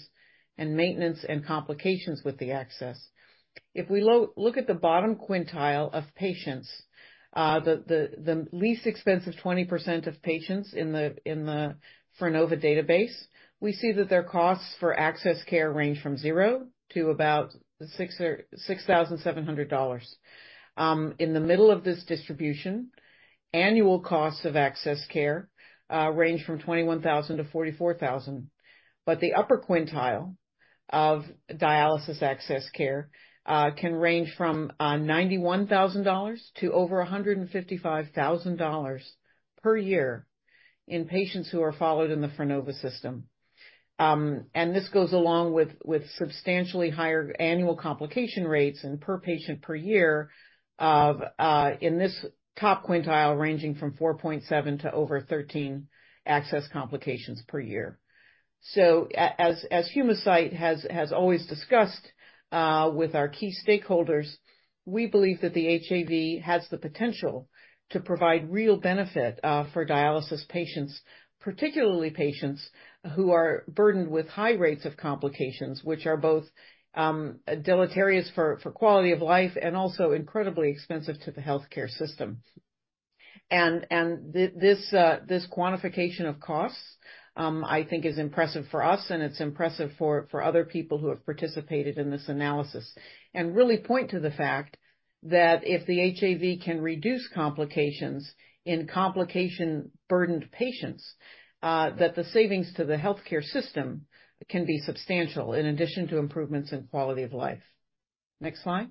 and maintenance and complications with the access. If we look at the bottom quintile of patients, the least expensive 20% of patients in the Frenova database, we see that their costs for access care range from zero to about $6,000-$6,700. In the middle of this distribution, annual costs of access care range from $21,000-$44,000, but the upper quintile of dialysis access care can range from $91,000 to over $155,000 per year in patients who are followed in the Frenova system. And this goes along with substantially higher annual complication rates and per patient per year of, in this top quintile, ranging from 4.7 to over 13 access complications per year. So as Humacyte has always discussed with our key stakeholders, we believe that the HAV has the potential to provide real benefit for dialysis patients, particularly patients who are burdened with high rates of complications, which are both deleterious for quality of life and also incredibly expensive to the healthcare system. And this quantification of costs I think is impressive for us, and it's impressive for other people who have participated in this analysis. Really point to the fact that if the HAV can reduce complications in complication-burdened patients, that the savings to the healthcare system can be substantial, in addition to improvements in quality of life. Next slide.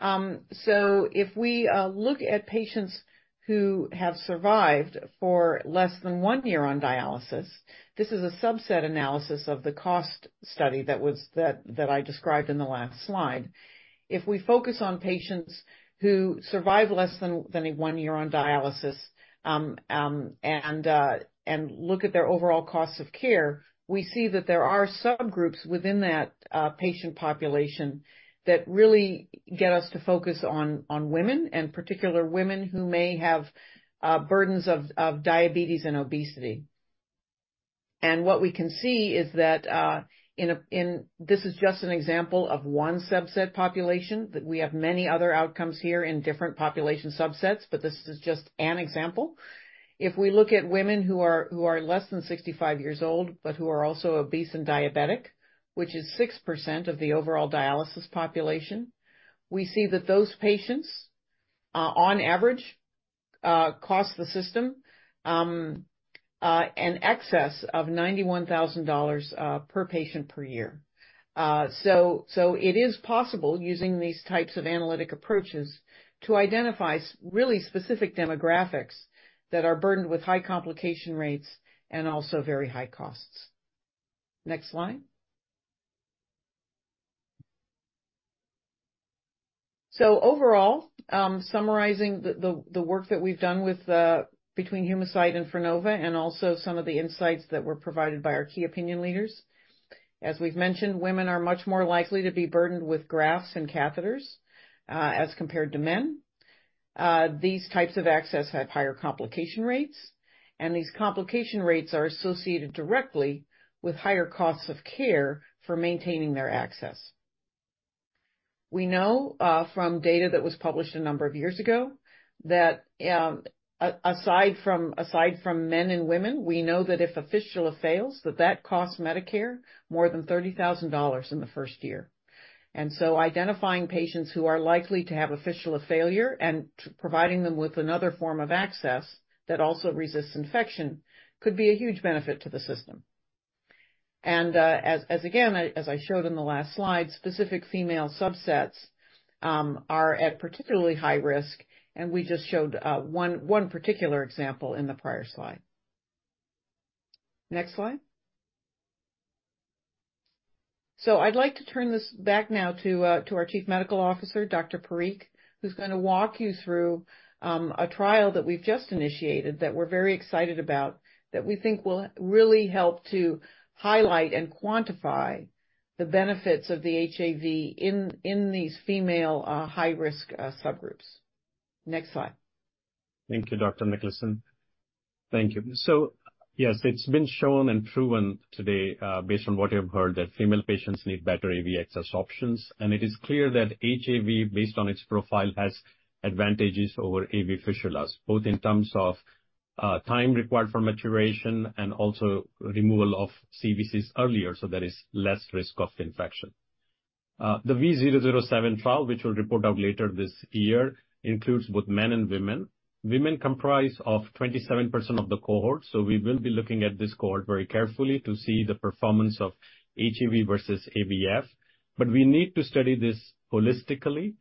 So if we look at patients who have survived for less than one year on dialysis, this is a subset analysis of the cost study that I described in the last slide. If we focus on patients who survive less than a one year on dialysis, and look at their overall costs of care, we see that there are subgroups within that patient population that really get us to focus on women, and particular women who may have burdens of diabetes and obesity. What we can see is that, in a, in... This is just an example of one subset population, that we have many other outcomes here in different population subsets, but this is just an example. If we look at women who are less than 65 years old, but who are also obese and diabetic, which is 6% of the overall dialysis population, we see that those patients on average cost the system an excess of $91,000 per patient per year. So it is possible, using these types of analytic approaches, to identify really specific demographics that are burdened with high complication rates and also very high costs. Next slide. So overall, summarizing the work that we've done with between Humacyte and Frenova, and also some of the insights that were provided by our key opinion leaders. As we've mentioned, women are much more likely to be burdened with grafts and catheters as compared to men. These types of access have higher complication rates, and these complication rates are associated directly with higher costs of care for maintaining their access. We know from data that was published a number of years ago that aside from men and women, we know that if a fistula fails, that that costs Medicare more than $30,000 in the first year. And so identifying patients who are likely to have a fistula failure and providing them with another form of access that also resists infection could be a huge benefit to the system. As again, as I showed in the last slide, specific female subsets are at particularly high risk, and we just showed one particular example in the prior slide. Next slide. So I'd like to turn this back now to our Chief Medical Officer, Dr. Parikh, who's gonna walk you through a trial that we've just initiated, that we're very excited about, that we think will really help to highlight and quantify the benefits of the HAV in these female high-risk subgroups. Next slide. Thank you, Dr. Niklason. Thank you. So yes, it's been shown and proven today, based on what you have heard, that female patients need better AV access options, and it is clear that HAV, based on its profile, has advantages over AV fistulas, both in terms of, time required for maturation and also removal of CVCs earlier, so there is less risk of infection. The V007 trial, which we'll report out later this year, includes both men and women. Women comprise of 27% of the cohort, so we will be looking at this cohort very carefully to see the performance of HAV versus AVF. But we need to study this holistically.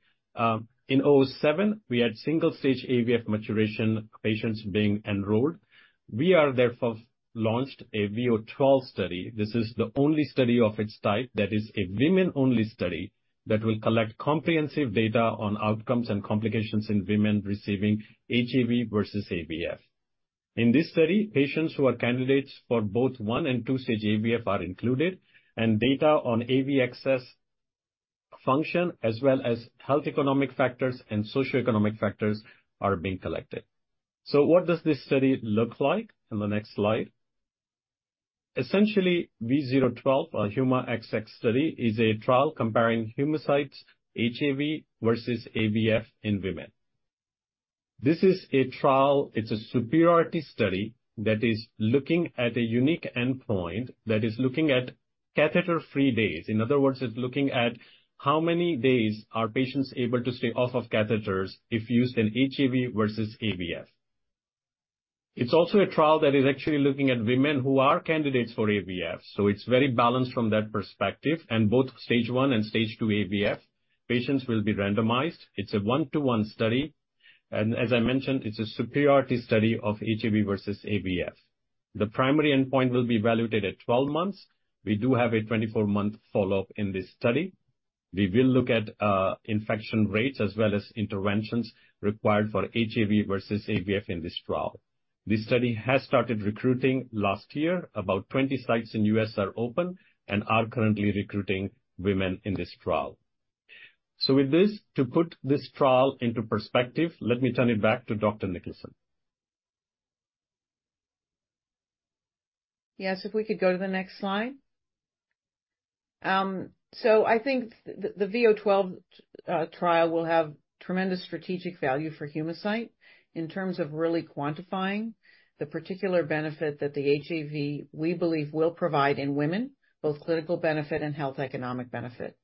In oh-seven, we had single-stage AVF maturation patients being enrolled. We are therefore launched a V012 study. This is the only study of its type that is a women-only study that will collect comprehensive data on outcomes and complications in women receiving HAV versus AVF. In this study, patients who are candidates for both 1 and 2-stage AVF are included, and data on AV access function, as well as health economic factors and socioeconomic factors, are being collected. So what does this study look like? In the next slide. Essentially, V012, a Humacyte study, is a trial comparing Humacyte's HAV versus AVF in women. This is a trial, it's a superiority study that is looking at a unique endpoint, that is looking at catheter-free days. In other words, it's looking at how many days are patients able to stay off of catheters if used in HAV versus AVF. It's also a trial that is actually looking at women who are candidates for AVF, so it's very balanced from that perspective, and both stage 1 and stage 2 AVF patients will be randomized. It's a 1:1 study, and as I mentioned, it's a superiority study of HAV versus AVF. The primary endpoint will be evaluated at 12 months. We do have a 24-month follow-up in this study. We will look at infection rates as well as interventions required for HAV versus AVF in this trial. This study has started recruiting last year. About 20 sites in the U.S. are open and are currently recruiting women in this trial. So with this, to put this trial into perspective, let me turn it back to Dr. Niklason. Yes, if we could go to the next slide. So I think the V012 trial will have tremendous strategic value for Humacyte in terms of really quantifying the particular benefit that the HAV, we believe, will provide in women, both clinical benefit and health economic benefit.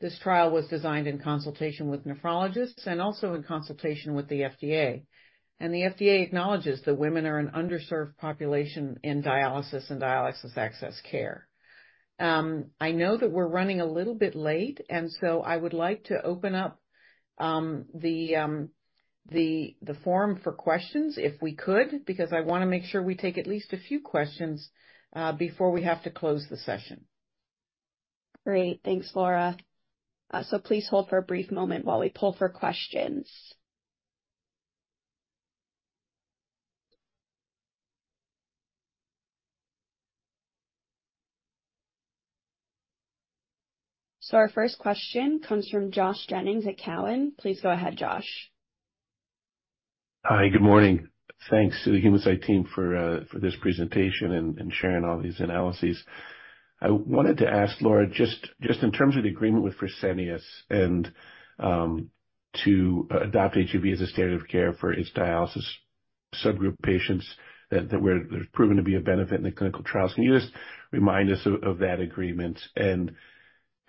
This trial was designed in consultation with nephrologists and also in consultation with the FDA, and the FDA acknowledges that women are an underserved population in dialysis and dialysis access care. I know that we're running a little bit late, and so I would like to open up the forum for questions, if we could, because I want to make sure we take at least a few questions before we have to close the session. Great. Thanks, Laura. So please hold for a brief moment while we poll for questions. So our first question comes from Josh Jennings at Cowen. Please go ahead, Josh. Hi, good morning. Thanks to the Humacyte team for this presentation and sharing all these analyses. I wanted to ask Laura just in terms of the agreement with Fresenius and to adopt HAV as a standard of care for its dialysis subgroup patients, that where there's proven to be a benefit in the clinical trials, can you just remind us of that agreement? And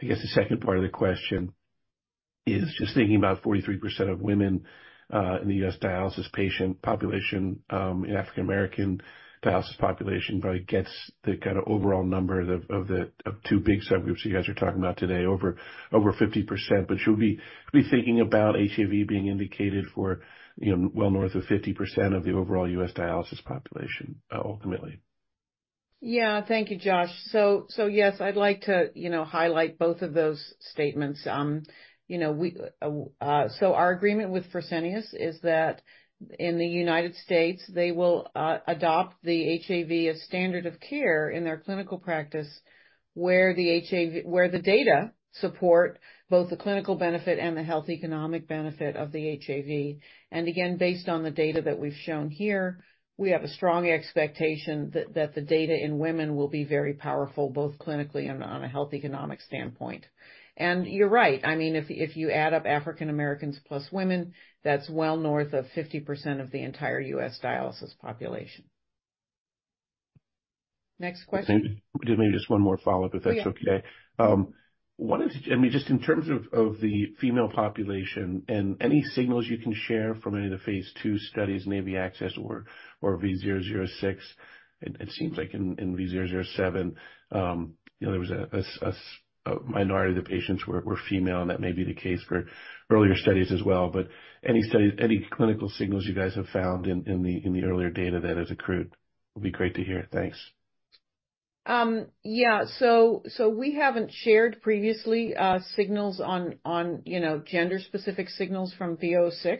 I guess the second part of the question is just thinking about 43% of women in the U.S. dialysis patient population, in African American dialysis population, probably gets the kind of overall number of the two big subgroups you guys are talking about today, over 50%. But should we be thinking about HAV being indicated for, you know, well north of 50% of the overall U.S. dialysis population, ultimately? Yeah. Thank you, Josh. So, so yes, I'd like to, you know, highlight both of those statements. You know, so our agreement with Fresenius is that in the United States, they will, adopt the HAV as standard of care in their clinical practice, where the HAV, where the data support both the clinical benefit and the health economic benefit of the HAV. And again, based on the data that we've shown here, we have a strong expectation that, that the data in women will be very powerful, both clinically and on a health economic standpoint. And you're right, I mean, if, if you add up African Americans plus women, that's well north of 50% of the entire U.S. dialysis population. Next question. Okay. Maybe just one more follow-up, if that's okay. Yeah. Wanted to—I mean, just in terms of the female population and any signals you can share from any of the phase II studies, HAV access or V006, it seems like in V007, you know, there was a minority of the patients were female, and that may be the case for earlier studies as well. But any studies, any clinical signals you guys have found in the earlier data that has accrued, will be great to hear. Thanks. Yeah. So, so we haven't shared previously, signals on, on, you know, gender-specific signals from V06,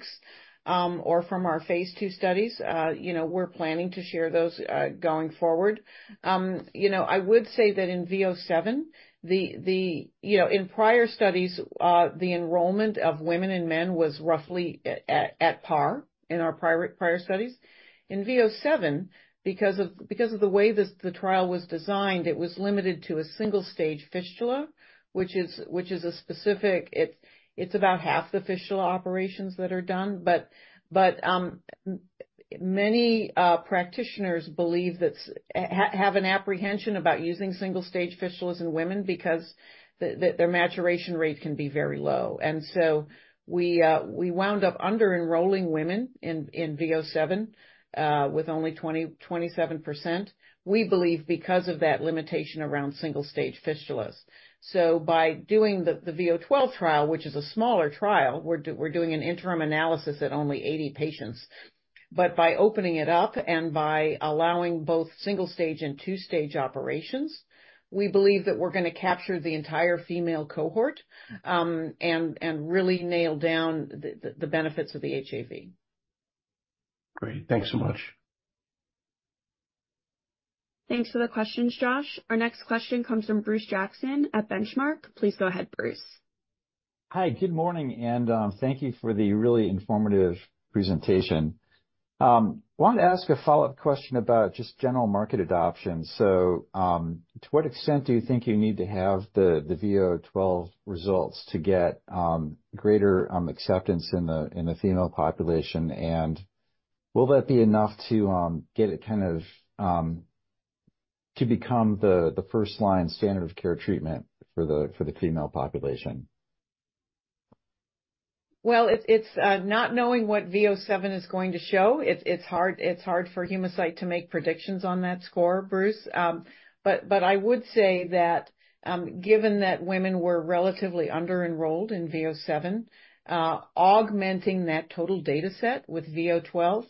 or from our phase II studies. You know, we're planning to share those, going forward. You know, I would say that in V07, you know, in prior studies, the enrollment of women and men was roughly at, at, at par in our prior, prior studies. In V07, because of the way this, the trial was designed, it was limited to a single stage fistula, which is a specific... It's about half the fistula operations that are done. But, many practitioners believe that's, have an apprehension about using single-stage fistulas in women because the their maturation rate can be very low. And so we wound up under-enrolling women in V007 with only 27%, we believe, because of that limitation around single-stage fistulas. So by doing the V012 trial, which is a smaller trial, we're doing an interim analysis at only 80 patients. But by opening it up and by allowing both single-stage and two-stage operations, we believe that we're going to capture the entire female cohort and really nail down the benefits of the HAV. Great. Thanks so much. Thanks for the questions, Josh. Our next question comes from Bruce Jackson at Benchmark. Please go ahead, Bruce. Hi, good morning, and, thank you for the really informative presentation. Wanted to ask a follow-up question about just general market adoption. So, to what extent do you think you need to have the, the V012 results to get, greater, acceptance in the, in the female population? And will that be enough to, get it kind of, to become the, the first-line standard of care treatment for the, for the female population?... Well, it's not knowing what V007 is going to show, it's hard for Humacyte to make predictions on that score, Bruce. But I would say that, given that women were relatively under-enrolled in V007, augmenting that total data set with V012,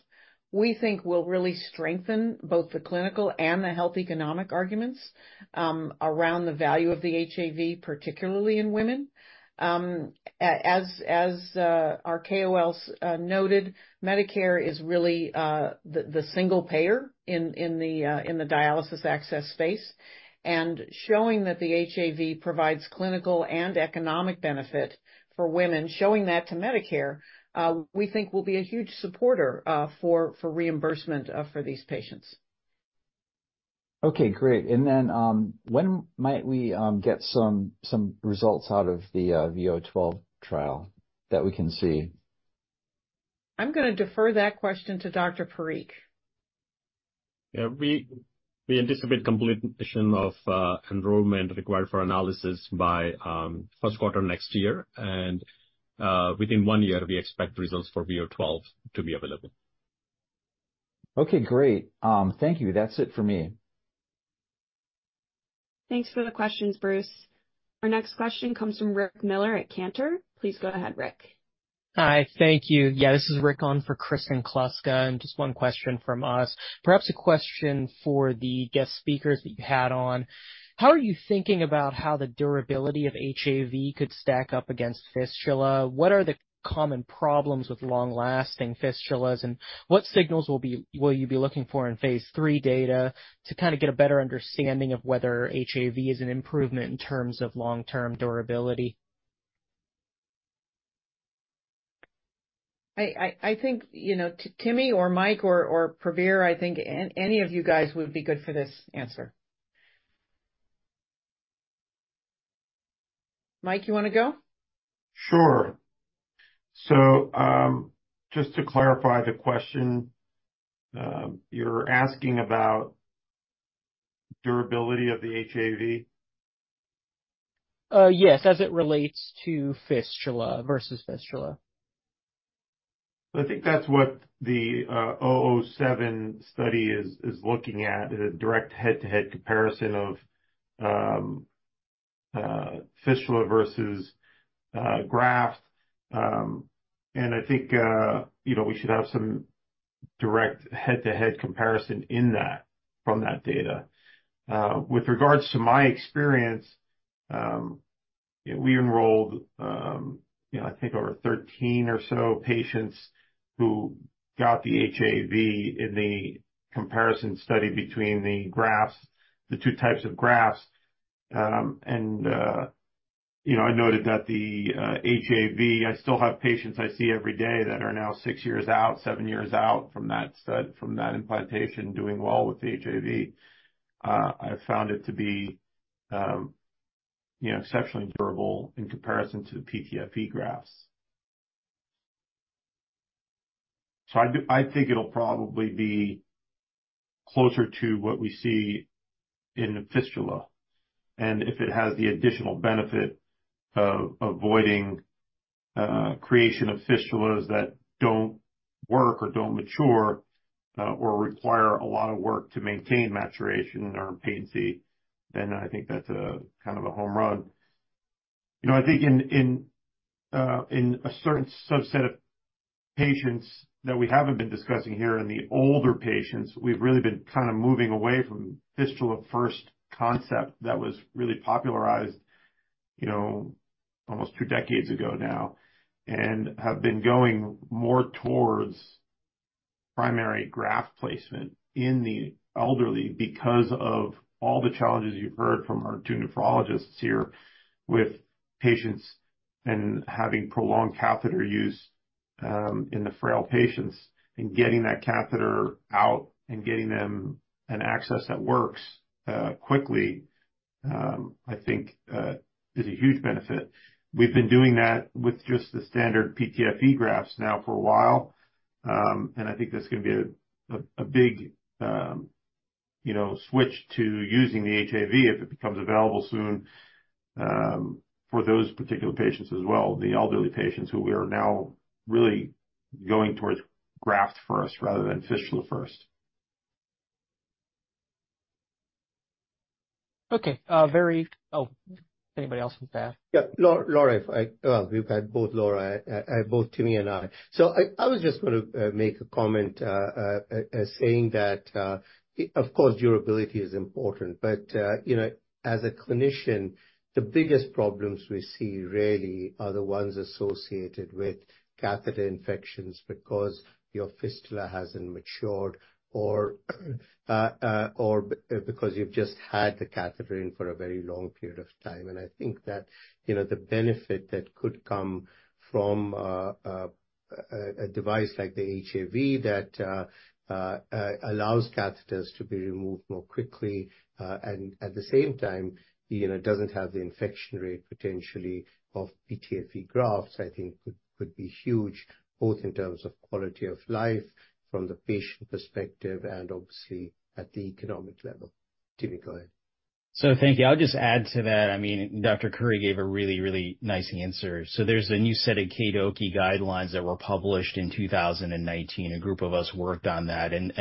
we think will really strengthen both the clinical and the health economic arguments around the value of the HAV, particularly in women. As our KOLs noted, Medicare is really the single payer in the dialysis access space. And showing that the HAV provides clinical and economic benefit for women, showing that to Medicare, we think will be a huge supporter for reimbursement for these patients. Okay, great. And then, when might we get some results out of the V012 trial that we can see? I'm gonna defer that question to Dr. Parikh. Yeah, we anticipate completion of enrollment required for analysis by first quarter next year, and within one year, we expect results for V012 to be available. Okay, great. Thank you. That's it for me. Thanks for the questions, Bruce. Our next question comes from Rick Miller at Cantor. Please go ahead, Rick. Hi, thank you. Yeah, this is Rick on for Kristen Kluska, and just one question from us. Perhaps a question for the guest speakers that you had on: How are you thinking about how the durability of HAV could stack up against fistula? What are the common problems with long-lasting fistulas, and what signals will you be looking for in phase III data to kind of get a better understanding of whether HAV is an improvement in terms of long-term durability? I think, you know, Timmy or Mike or Prabir, I think any of you guys would be good for this answer. Mike, you wanna go? Sure. So, just to clarify the question, you're asking about durability of the HAV? Yes, as it relates to fistula versus fistula. I think that's what the V007 study is, is looking at, is a direct head-to-head comparison of fistula versus graft. And I think, you know, we should have some direct head-to-head comparison in that, from that data. With regards to my experience, we enrolled, you know, I think over 13 or so patients who got the HAV in the comparison study between the grafts, the two types of grafts. And, you know, I noted that the HAV, I still have patients I see every day that are now six years out, seven years out from that implantation, doing well with the HAV. I found it to be, you know, exceptionally durable in comparison to the PTFE grafts. So I think it'll probably be closer to what we see in a fistula, and if it has the additional benefit of avoiding creation of fistulas that don't work or don't mature, or require a lot of work to maintain maturation or patency, then I think that's a kind of a home run. You know, I think in a certain subset of patients that we haven't been discussing here, in the older patients, we've really been kind of moving away from Fistula First concept that was really popularized, you know, almost two decades ago now, and have been going more towards primary graft placement in the elderly. Because of all the challenges you've heard from our two nephrologists here, with patients and having prolonged catheter use, in the frail patients, and getting that catheter out and getting them an access that works, quickly, I think, is a huge benefit. We've been doing that with just the standard PTFE grafts now for a while, and I think that's going to be a big, you know, switch to using the HAV, if it becomes available soon, for those particular patients as well, the elderly patients who we are now really going towards graft first rather than fistula first. Okay, oh, anybody else on staff? Yeah. Laura, Laura, if I... Well, we've had both, Laura, both Timmy and I. So I was just gonna make a comment saying that, of course, durability is important, but, you know, as a clinician, the biggest problems we see really are the ones associated with catheter infections, because your fistula hasn't matured or because you've just had the catheter in for a very long period of time. I think that, you know, the benefit that could come from a device like the HAV that allows catheters to be removed more quickly, and at the same time, you know, doesn't have the infection rate potentially of PTFE grafts, I think could be huge, both in terms of quality of life from the patient perspective and obviously at the economic level. Timmy, go ahead.... So thank you. I'll just add to that. I mean, Dr. Curi gave a really, really nice answer. So there's a new set of KDIGO guidelines that were published in 2019. A group of us worked on that, and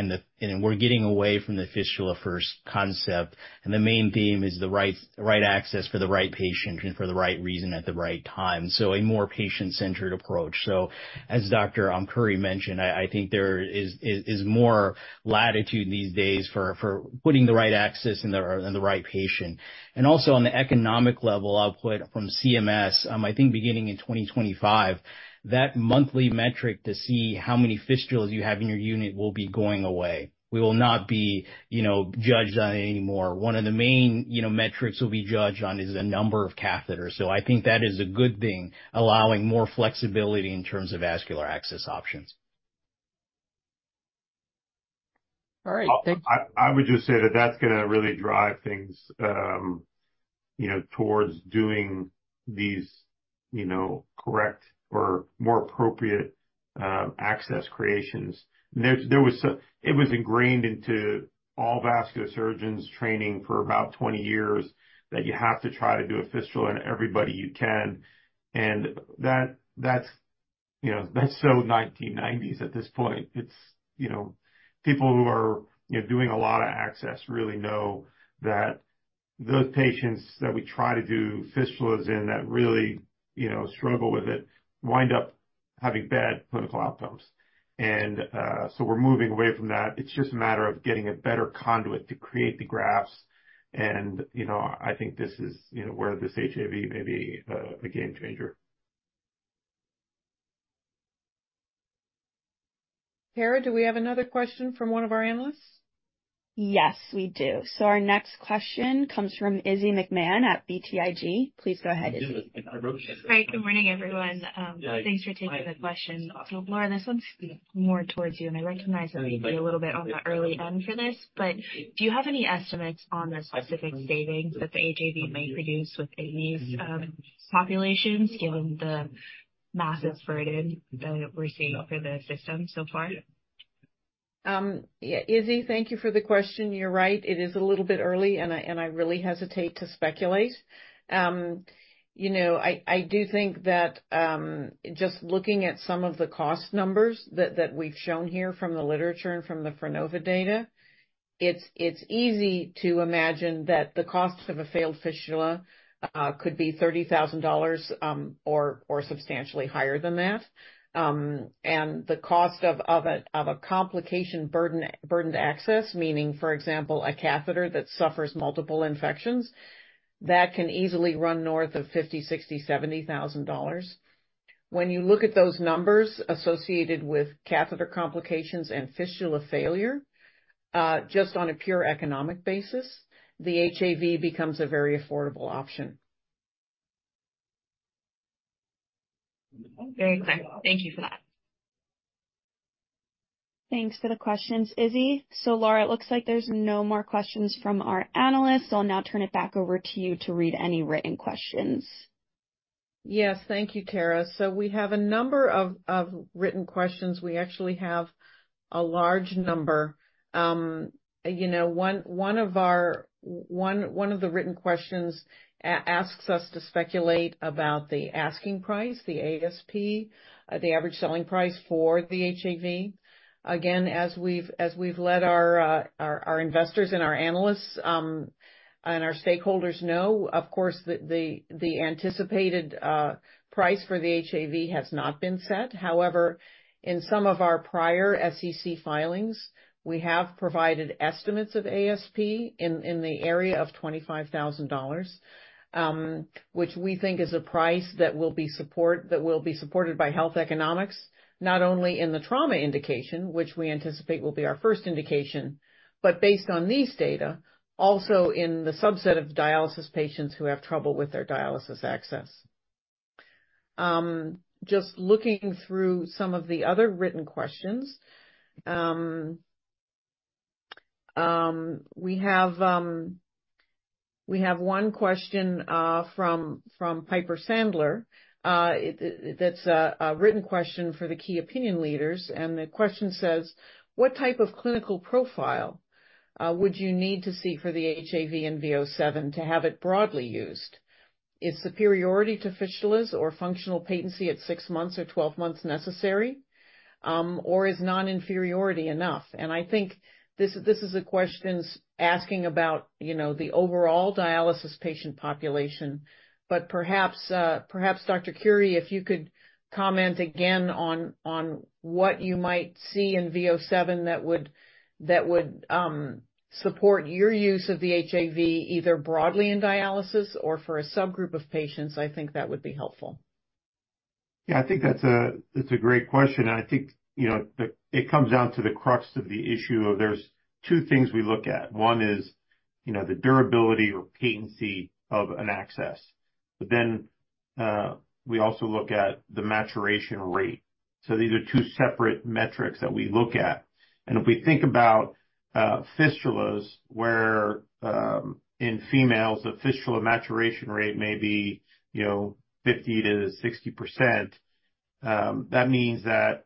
we're getting away from the fistula-first concept, and the main theme is the right access for the right patient and for the right reason at the right time. So a more patient-centered approach. So as Dr. Curi mentioned, I think there is more latitude these days for putting the right access in the right patient. And also on the economic level, output from CMS, I think beginning in 2025, that monthly metric to see how many fistulas you have in your unit will be going away. We will not be, you know, judged on it anymore. One of the main, you know, metrics we'll be judged on is the number of catheters, so I think that is a good thing, allowing more flexibility in terms of vascular access options. All right. I would just say that that's gonna really drive things, you know, towards doing these, you know, correct or more appropriate access creations. It was ingrained into all vascular surgeons' training for about 20 years, that you have to try to do a fistula on everybody you can. And that's, you know, that's so 1990s at this point. It's, you know, people who are, you know, doing a lot of access really know that those patients that we try to do fistulas in, that really, you know, struggle with it, wind up having bad clinical outcomes. And so we're moving away from that. It's just a matter of getting a better conduit to create the grafts, and, you know, I think this is, you know, where this HAV may be a game changer. Tara, do we have another question from one of our analysts? Yes, we do. So our next question comes from Izzy McMahon at BTIG. Please go ahead, Izzy. Hi, good morning, everyone. Thanks for taking the question. So, Laura, this one's more towards you, and I recognize that we may be a little bit on the early end for this, but do you have any estimates on the specific savings that the HAV may produce with AV populations, given the massive burden that we're seeing for the system so far? Yeah, Izzy, thank you for the question. You're right, it is a little bit early, and I really hesitate to speculate. You know, I do think that just looking at some of the cost numbers that we've shown here from the literature and from the Frenova data, it's easy to imagine that the cost of a failed fistula could be $30,000 or substantially higher than that. And the cost of a complication-burdened access, meaning, for example, a catheter that suffers multiple infections, that can easily run north of $50,000-$70,000. When you look at those numbers associated with catheter complications and fistula failure, just on a pure economic basis, the HAV becomes a very affordable option. Very clear. Thank you for that. Thanks for the questions, Izzy. Laura, it looks like there's no more questions from our analysts. I'll now turn it back over to you to read any written questions. Yes, thank you, Tara. So we have a number of written questions. We actually have a large number. You know, one of the written questions asks us to speculate about the asking price, the ASP, the average selling price for the HAV. Again, as we've let our investors and our analysts, and our stakeholders know, of course, the anticipated price for the HAV has not been set. However, in some of our prior SEC filings, we have provided estimates of ASP in the area of $25,000, which we think is a price that will be supported by health economics, not only in the trauma indication, which we anticipate will be our first indication, but based on these data, also in the subset of dialysis patients who have trouble with their dialysis access. Just looking through some of the other written questions, we have one question from Piper Sandler. That's a written question for the key opinion leaders, and the question says: What type of clinical profile would you need to see for the HAV in V007 to have it broadly used? Is superiority to fistulas or functional patency at six months or 12 months necessary, or is non-inferiority enough? And I think this is a question asking about, you know, the overall dialysis patient population, but perhaps Dr. Curi, if you could comment again on what you might see in V007 that would support your use of the HAV, either broadly in dialysis or for a subgroup of patients, I think that would be helpful. Yeah, I think that's a great question, and I think, you know, it comes down to the crux of the issue of there's two things we look at. One is, you know, the durability or patency of an access. But then, we also look at the maturation rate. So these are two separate metrics that we look at. And if we think about fistulas, where in females, the fistula maturation rate may be, you know, 50%-60%, that means that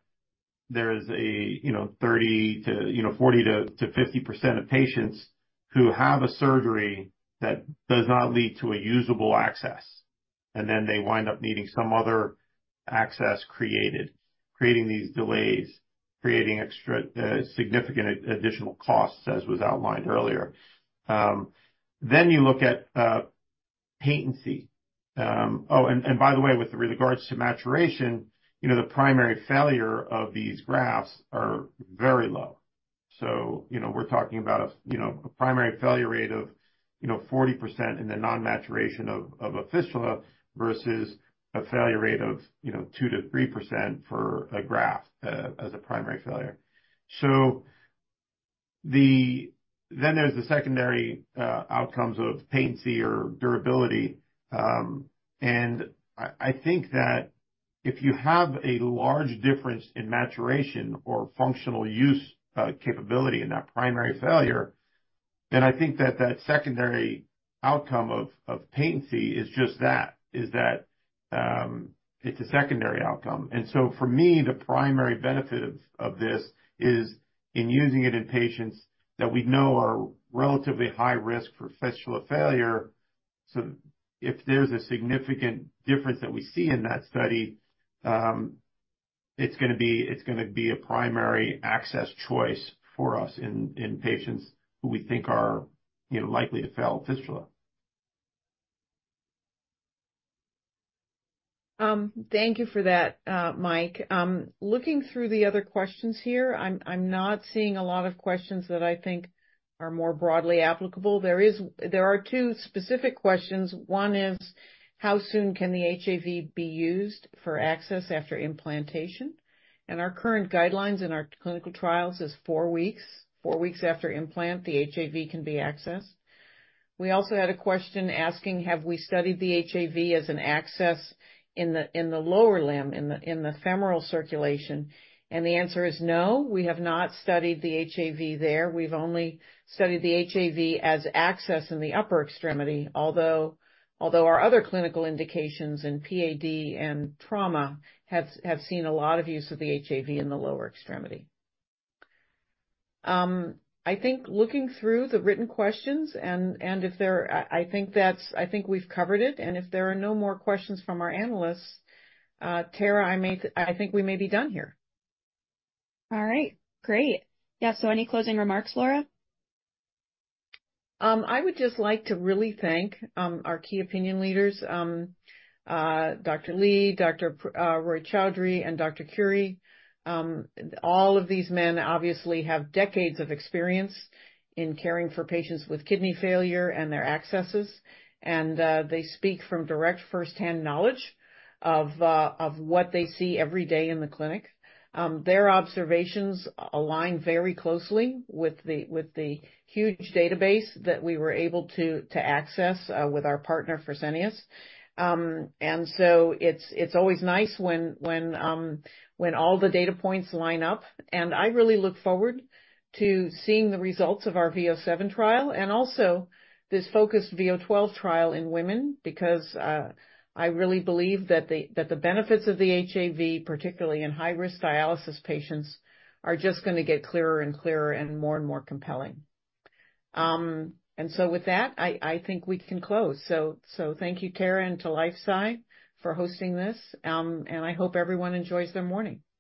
there is a, you know, 30%-50% of patients who have a surgery that does not lead to a usable access, and then they wind up needing some other access created, creating these delays, creating extra significant additional costs, as was outlined earlier. Then you look at patency. Oh, and by the way, with regards to maturation, you know, the primary failure of these grafts are very low. So, you know, we're talking about a primary failure rate of 40% in the non-maturation of a fistula versus a failure rate of 2%-3% for a graft, as a primary failure. So then there's the secondary outcomes of patency or durability, and I think that if you have a large difference in maturation or functional use capability in that primary failure, then I think that that secondary outcome of patency is just that, it's a secondary outcome. And so for me, the primary benefit of this is in using it in patients that we know are relatively high risk for fistula failure. So if there's a significant difference that we see in that study, it's gonna be a primary access choice for us in patients who we think are, you know, likely to fail fistula. Thank you for that, Mike. Looking through the other questions here, I'm not seeing a lot of questions that I think are more broadly applicable. There are two specific questions. One is: How soon can the HAV be used for access after implantation? And our current guidelines in our clinical trials is four weeks. Four weeks after implant, the HAV can be accessed. We also had a question asking, have we studied the HAV as an access in the lower limb, in the femoral circulation? And the answer is no. We have not studied the HAV there. We've only studied the HAV as access in the upper extremity, although our other clinical indications in PAD and trauma have seen a lot of use of the HAV in the lower extremity. I think looking through the written questions and if there... I think we've covered it, and if there are no more questions from our analysts, Tara, I may, I think we may be done here. All right. Great. Yeah, so any closing remarks, Laura? I would just like to really thank our key opinion leaders, Dr. Lee, Dr. Roy-Chaudhury, and Dr. Curi. All of these men obviously have decades of experience in caring for patients with kidney failure and their accesses, and they speak from direct firsthand knowledge of what they see every day in the clinic. Their observations align very closely with the huge database that we were able to access with our partner, Fresenius. And so it's always nice when all the data points line up. I really look forward to seeing the results of our V007 trial and also this focused V012 trial in women, because I really believe that the benefits of the HAV, particularly in high-risk dialysis patients, are just gonna get clearer and clearer and more and more compelling. And so with that, I think we can close. So thank you, Tara, and to LifeSci for hosting this. And I hope everyone enjoys their morning.